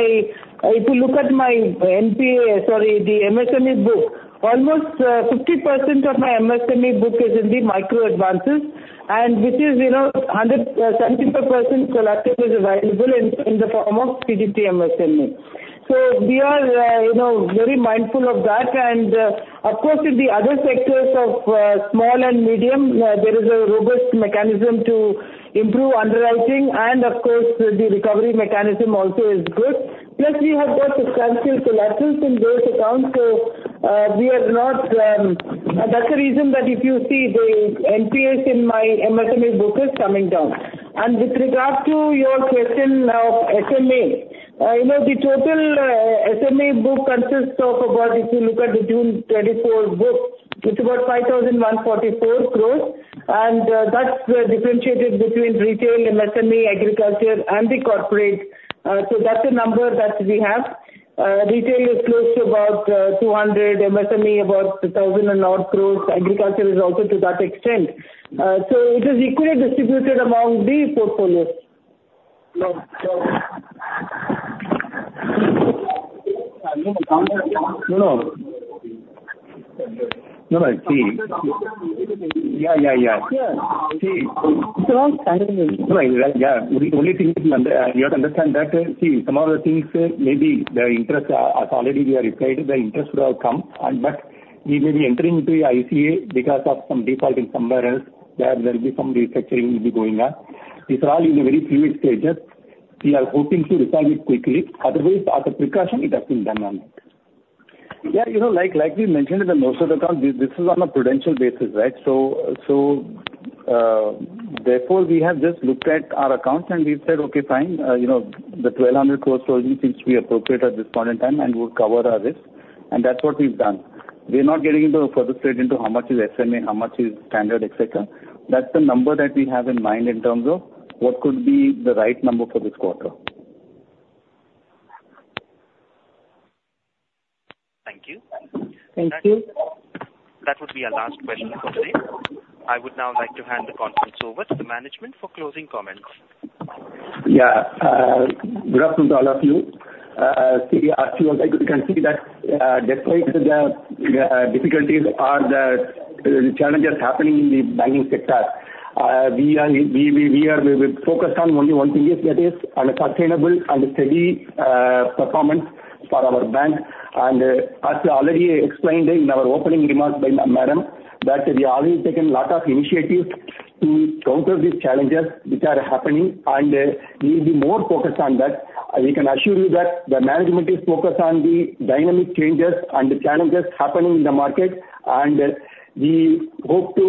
if you look at my NPA, sorry, the MSME book, almost 50% of my MSME book is in the micro advances and which is, you know, 170% collateral is available in the form of PDP MSME. So we are, you know, very mindful of that. And, of course, with the other sectors of small and medium, there is a robust mechanism to improve underwriting, and of course, the recovery mechanism also is good. Plus, we have got substantial collaterals in those accounts, so, we are not... That's the reason that if you see the NPAs in my MSME book is coming down. With regard to your question of SMA, you know, the total SMA book consists of about, if you look at the June 2024 book, it's about 5,144 crore, and that's differentiated between retail, MSME, agriculture, and the corporate. So that's the number that we have. Retail is close to about 200 crore, MSME, about 1,000 and odd crore. Agriculture is also to that extent. So it is equally distributed among the portfolios. No, no. No, no. No, but see- Yeah, yeah, yeah. Yeah. See- It's a long standard. No, yeah. The only thing is, you have to understand that, see, some of the things, maybe the interest, as already we are replied, the interest would have come, and but we may be entering into a ICA because of some default in somewhere else, where there'll be some restructuring will be going on. These are all in a very fluid stages. We are hoping to resolve it quickly. Otherwise, as a precaution, it has been done on it. Yeah, you know, like, like we mentioned in the most of the accounts, this, this is on a prudential basis, right? So, therefore, we have just looked at our accounts and we've said, "Okay, fine, you know, the 1,200 crore probably seems to be appropriate at this point in time, and will cover our risk." And that's what we've done. We're not getting into the further straight into how much is SMA, how much is standard, et cetera. That's the number that we have in mind in terms of what could be the right number for this quarter. Thank you. Thank you. That would be our last question for today. I would now like to hand the conference over to the management for closing comments. Yeah, good afternoon to all of you. So we are, as you can see that, despite the difficulties or the challenges happening in the banking sector, we are focused on only one thing, is that is on a sustainable and steady performance for our bank. And, as already explained in our opening remarks by Madam, that we have already taken a lot of initiatives to counter these challenges which are happening, and we will be more focused on that. We can assure you that the management is focused on the dynamic changes and the challenges happening in the market, and we hope to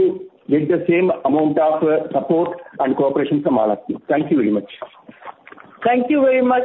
get the same amount of support and cooperation from all of you. Thank you very much. Thank you very much.